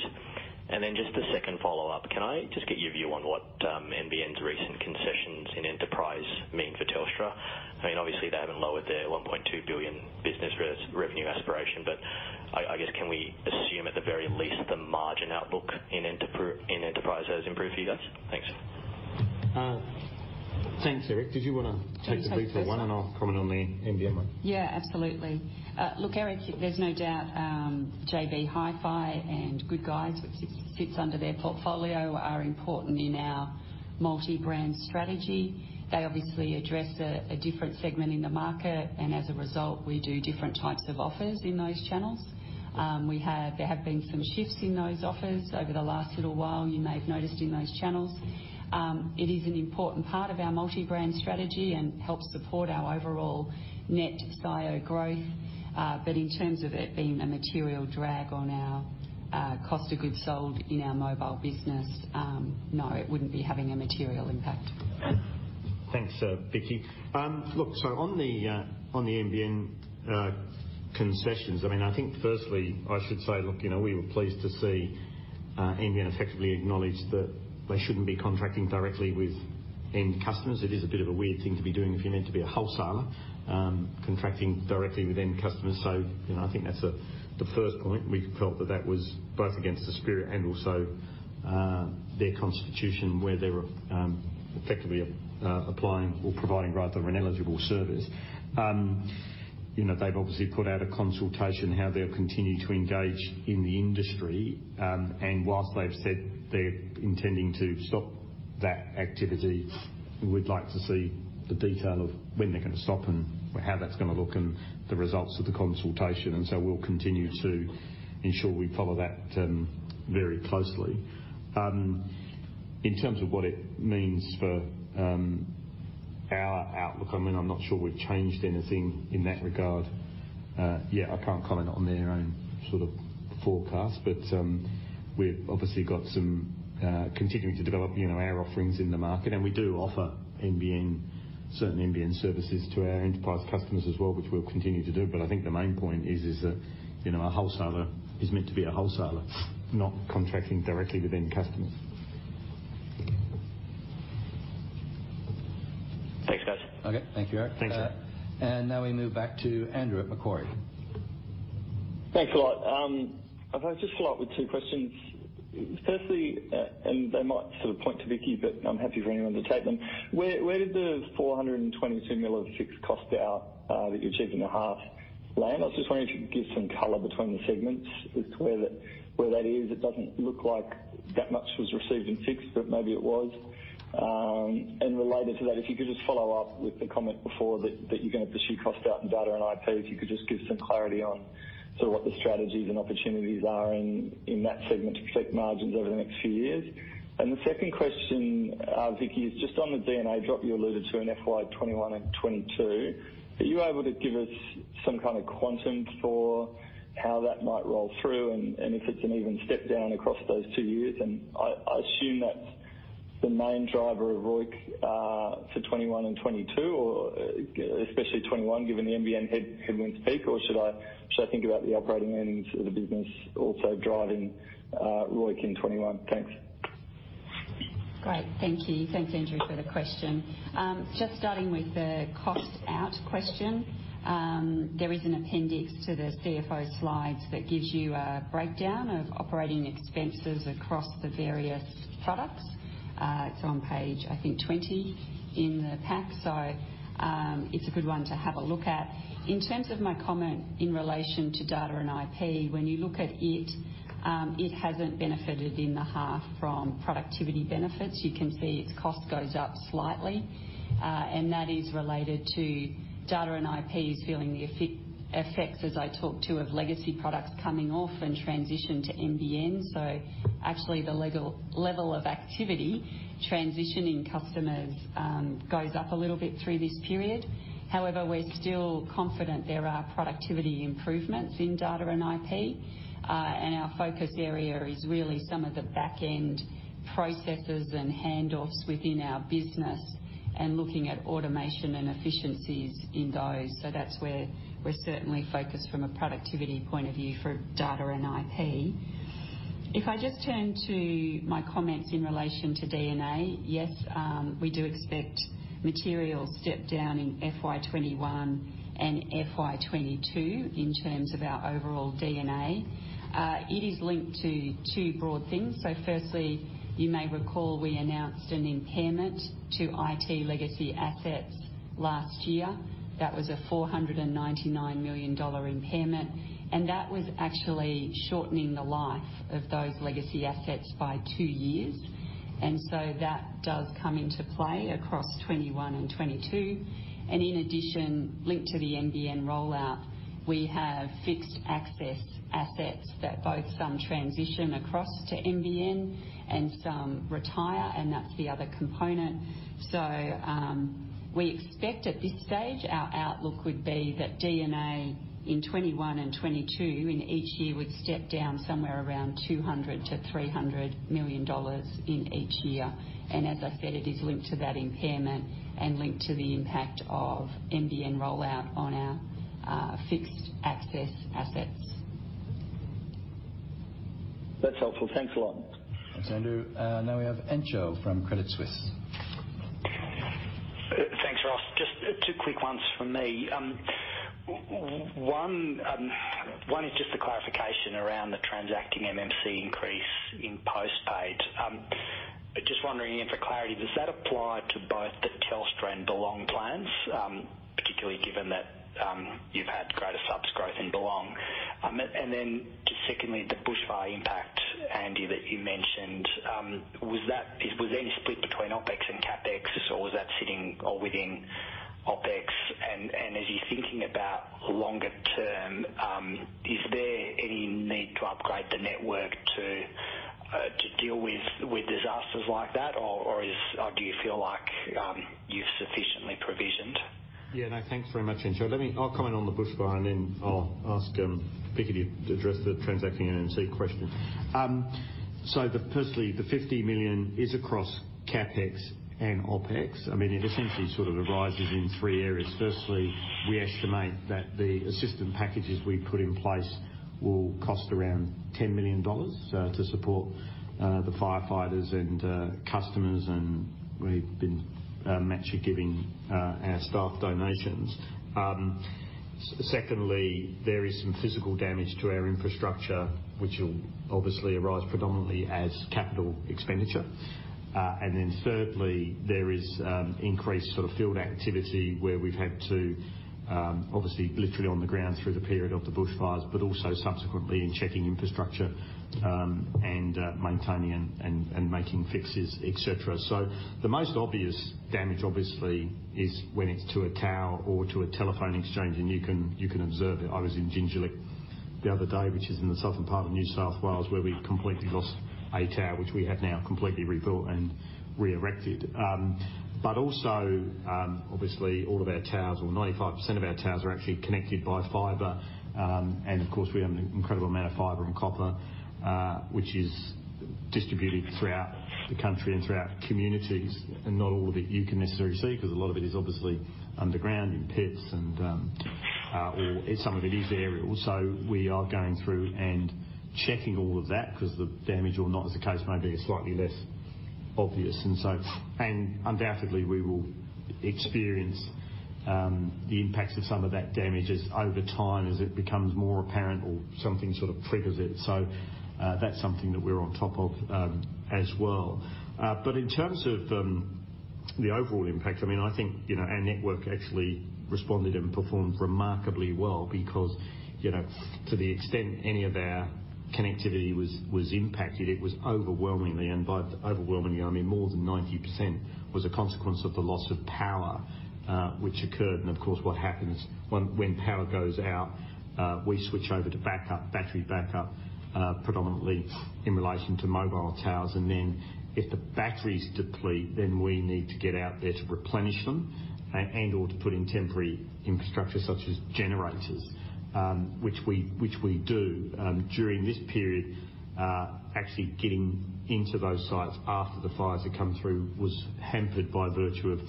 And then just the second follow-up, can I just get your view on what NBN's recent concessions in enterprise mean for Telstra? I mean, obviously, they haven't lowered their 1.2 billion business revenue aspiration. But I guess, can we assume at the very least the margin outlook in enterprise has improved for you guys? Thanks. Thanks, Eric. Did you want to take the brief for one and I'll comment on the NBN one? Yeah. Absolutely. Look, Eric, there's no doubt JB Hi-Fi and Good Guys, which sits under their portfolio, are important in our multi-brand strategy. They obviously address a different segment in the market. And as a result, we do different types of offers in those channels. There have been some shifts in those offers over the last little while, you may have noticed in those channels. It is an important part of our multi-brand strategy and helps support our overall net SIO growth. But in terms of it being a material drag on our cost of goods sold in our mobile business, no, it wouldn't be having a material impact. Thanks, Vicki. Look, so on the NBN concessions, I mean, I think firstly, I should say, look, we were pleased to see NBN effectively acknowledge that they shouldn't be contracting directly with end customers. It is a bit of a weird thing to be doing if you're meant to be a wholesaler contracting directly with end customers. So I think that's the first point. We felt that that was both against the spirit and also their constitution where they were effectively applying or providing rather an eligible service. They've obviously put out a consultation how they'll continue to engage in the industry. And whilst they've said they're intending to stop that activity, we'd like to see the detail of when they're going to stop and how that's going to look and the results of the consultation. And so we'll continue to ensure we follow that very closely. In terms of what it means for our outlook, I mean, I'm not sure we've changed anything in that regard. Yeah, I can't comment on their own sort of forecast. But we've obviously got some continuing to develop our offerings in the market. And we do offer certain NBN services to our enterprise customers as well, which we'll continue to do. But I think the main point is that a wholesaler is meant to be a wholesaler, not contracting directly with end customers. Thanks, guys. Okay. Thank you, Eric. And now we move back to Andrew at Macquarie. Thanks a lot. I've just followed up with two questions. Firstly, and they might sort of point to Vicki, but I'm happy for anyone to take them. Where did the 422 million fixed costs out that you achieved in the half land? I was just wondering if you could give some color between the segments as to where that is. It doesn't look like that much was received and fixed, but maybe it was. And related to that, if you could just follow up with the comment before that you're going to pursue costs out in Data and IP, if you could just give some clarity on sort of what the strategies and opportunities are in that segment to protect margins over the next few years. And the second question, Vicki, is just on the D&A drop you alluded to in FY 2021 and 2022, are you able to give us some kind of quantum for how that might roll through and if it's an even step down across those two years? I assume that's the main driver of ROIC for 2021 and 2022, or especially 2021, given the NBN headwinds peak, or should I think about the operating ends of the business also driving ROIC in 2021? Thanks. Great. Thank you. Thanks, Andrew, for the question. Just starting with the costs out question, there is an appendix to the CFO slides that gives you a breakdown of operating expenses across the various products. It's on page, I think, 20 in the pack. So it's a good one to have a look at. In terms of my comment in relation to Data and IP, when you look at it, it hasn't benefited in the half from productivity benefits. You can see its cost goes up slightly. And that is related to Data and IPs feeling the effects, as I talked to, of legacy products coming off and transition to NBN. So actually, the level of activity transitioning customers goes up a little bit through this period. However, we're still confident there are productivity improvements in Data and IP. And our focus area is really some of the backend processes and handoffs within our business and looking at automation and efficiencies in those. So that's where we're certainly focused from a productivity point of view for Data and IP. If I just turn to my comments in relation to D&A, yes, we do expect material step down in FY 2021 and FY 2022 in terms of our overall D&A. It is linked to two broad things. So firstly, you may recall we announced an impairment to IT legacy assets last year. That was a 499 million dollar impairment. And that was actually shortening the life of those legacy assets by two years. And so that does come into play across 2021 and 2022. And in addition, linked to the NBN rollout, we have fixed access assets that both some transition across to NBN and some retire. And that's the other component. So we expect at this stage, our outlook would be that D&A in 2021 and 2022 in each year would step down somewhere around 200 million-300 million dollars in each year. And as I said, it is linked to that impairment and linked to the impact of NBN rollout on our fixed access assets. That's helpful. Thanks a lot. Thanks, Andrew. Now we have Entcho from Credit Suisse. Thanks, Ross. Just two quick ones from me. One is just the clarification around the transacting MMC increase in postpaid. Just wondering if for clarity, does that apply to both the Telstra and Belong plans, particularly given that you've had greater subs growth in Belong? And then just secondly, the bushfire impact, Andy, that you mentioned, was there any split between OpEx and CapEx, or was that sitting or within OpEx? And as you're thinking about longer term, is there any need to upgrade the network to deal with disasters like that, or do you feel like you've sufficiently provisioned? Yeah. No, thanks very much, Entcho. I'll comment on the bushfire, and then I'll ask Vicki to address the transacting MMC question. So firstly, the 50 million is across CapEx and OpEx. I mean, it essentially sort of arises in three areas. Firstly, we estimate that the assistance packages we put in place will cost around 10 million dollars to support the firefighters and customers, and we've been matching giving our staff donations. Secondly, there is some physical damage to our infrastructure, which will obviously arise predominantly as capital expenditure. And then thirdly, there is increased sort of field activity where we've had to obviously literally on the ground through the period of the bushfires, but also subsequently in checking infrastructure and maintaining and making fixes, etc. So the most obvious damage, obviously, is when it's to a tower or to a telephone exchange, and you can observe it. I was in Jingellic the other day, which is in the southern part of New South Wales, where we completely lost a tower, which we have now completely rebuilt and re-erected. But also, obviously, all of our towers, or 95% of our towers, are actually connected by fiber. And of course, we have an incredible amount of fiber and copper, which is distributed throughout the country and throughout communities. And not all of it you can necessarily see because a lot of it is obviously underground in pits, or some of it is aerial. So we are going through and checking all of that because the damage, or not, as the case may be, is slightly less obvious. And so undoubtedly, we will experience the impacts of some of that damage over time as it becomes more apparent or something sort of triggers it. So that's something that we're on top of as well. But in terms of the overall impact, I mean, I think our network actually responded and performed remarkably well because to the extent any of our connectivity was impacted, it was overwhelmingly. And by overwhelmingly, I mean more than 90% was a consequence of the loss of power, which occurred. And of course, what happens when power goes out, we switch over to battery backup predominantly in relation to mobile towers. And then if the batteries deplete, then we need to get out there to replenish them and/or to put in temporary infrastructure such as generators, which we do. During this period, actually getting into those sites after the fires had come through was hampered by virtue of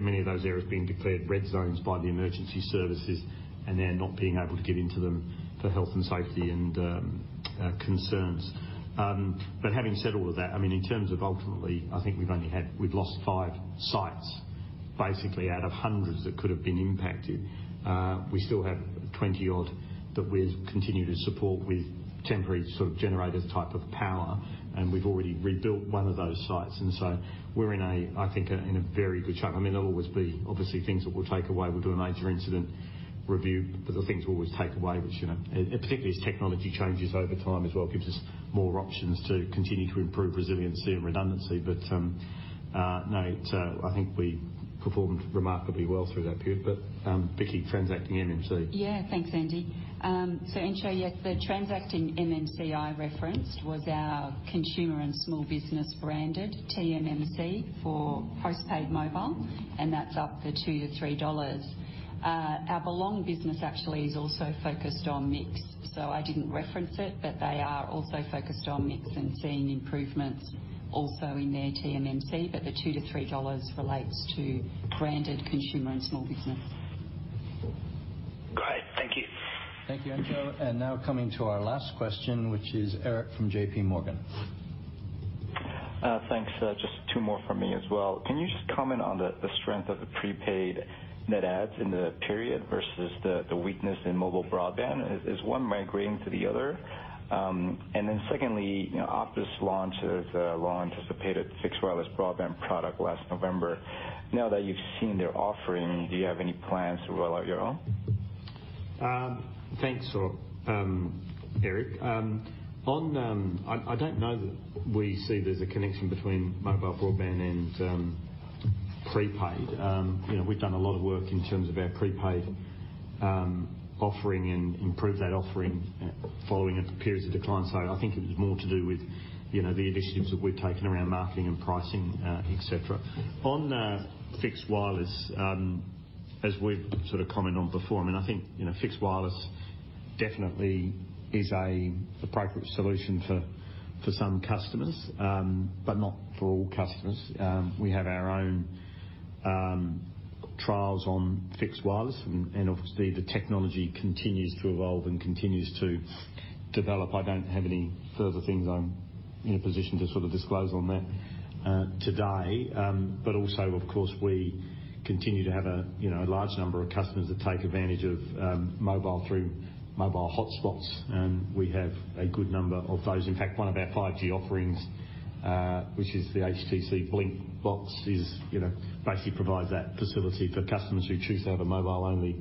many of those areas being declared red zones by the emergency services and then not being able to get into them for health and safety and concerns. But having said all of that, I mean, in terms of ultimately, I think we've lost 5 sites basically out of hundreds that could have been impacted. We still have 20-odd that we've continued to support with temporary sort of generator type of power. And we've already rebuilt 1 of those sites. And so we're in a, I think, in a very good shape. I mean, there'll always be obviously things that we'll take away. We'll do a major incident review, but the things we'll always take away, which particularly as technology changes over time as well, gives us more options to continue to improve resiliency and redundancy. But no, I think we performed remarkably well through that period. But Vicki, transacting MMC. Yeah. Thanks, Andy. So Entcho, yes, the transacting MMC I referenced was our consumer and small business branded TMMC for postpaid mobile, and that's up 2-3 dollars. Our Belong business actually is also focused on mix. So I didn't reference it, but they are also focused on mix and seeing improvements also in their TMMC. But the 2-3 dollars relates to branded consumer and small business. Great. Thank you. Thank you, Entcho. And now coming to our last question, which is Eric from JPMorgan. Thanks. Just two more from me as well. Can you just comment on the strength of the prepaid net adds in the period versus the weakness in mobile broadband? Is one migrating to the other? And then secondly, Optus launched their long-anticipated fixed wireless broadband product last November. Now that you've seen their offering, do you have any plans to roll out your own? Thanks, Eric. I don't know that we see there's a connection between mobile broadband and prepaid. We've done a lot of work in terms of our prepaid offering and improved that offering following a period of decline. So I think it was more to do with the initiatives that we've taken around marketing and pricing, etc. On fixed wireless, as we've sort of commented on before, I mean, I think fixed wireless definitely is an appropriate solution for some customers, but not for all customers. We have our own trials on fixed wireless. And obviously, the technology continues to evolve and continues to develop. I don't have any further things I'm in a position to sort of disclose on that today. But also, of course, we continue to have a large number of customers that take advantage of mobile through mobile hotspots. And we have a good number of those. In fact, one of our 5G offerings, which is the HTC 5G Hub, basically provides that facility for customers who choose to have a mobile-only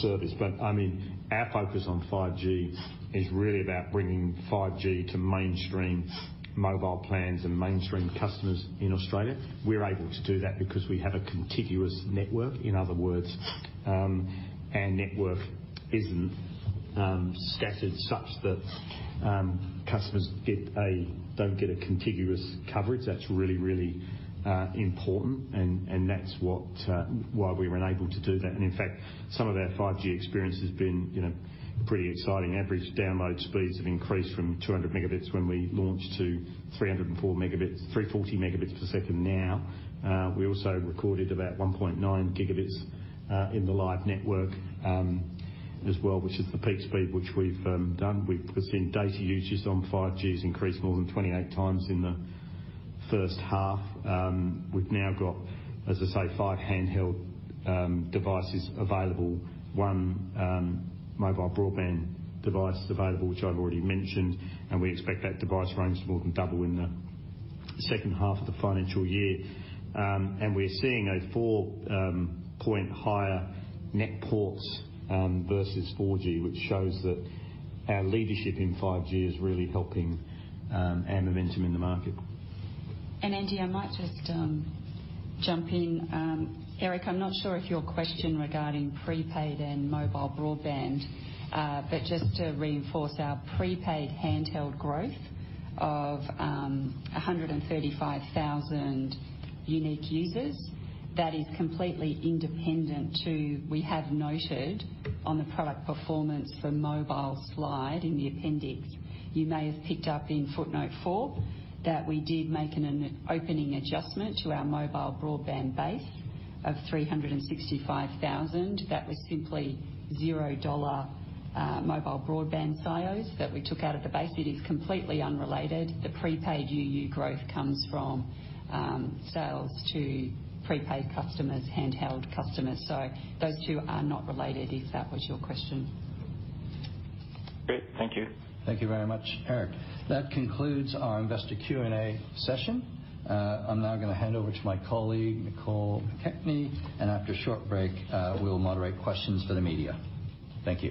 service. But I mean, our focus on 5G is really about bringing 5G to mainstream mobile plans and mainstream customers in Australia. We're able to do that because we have a contiguous network. In other words, our network isn't scattered such that customers don't get a contiguous coverage. That's really, really important. And that's why we were unable to do that. And in fact, some of our 5G experience has been pretty exciting. Average download speeds have increased from 200 Mbps when we launched to 340 Mbps now. We also recorded about 1.9 Gbps in the live network as well, which is the peak speed which we've done. We've seen data usage on 5Gs increase more than 28 times in the first half. We've now got, as I say, 5 handheld devices available, 1 mobile broadband device available, which I've already mentioned. We expect that device range to more than double in the second half of the financial year. We're seeing a 4-point higher net ports versus 4G, which shows that our leadership in 5G is really helping our momentum in the market. Andy, I might just jump in. Eric, I'm not sure if your question regarding prepaid and mobile broadband, but just to reinforce our prepaid handheld growth of 135,000 unique users, that is completely independent to we have noted on the product performance for mobile slide in the appendix. You may have picked up in footnote 4 that we did make an opening adjustment to our mobile broadband base of 365,000. That was simply $0 mobile broadband silos that we took out of the base. It is completely unrelated. The prepaid UU growth comes from sales to prepaid customers, handheld customers. So those two are not related if that was your question. Great. Thank you. Thank you very much, Eric. That concludes our investor Q&A session. I'm now going to hand over to my colleague, Nicole McKechnie, and after a short break, we'll moderate questions for the media. Thank you.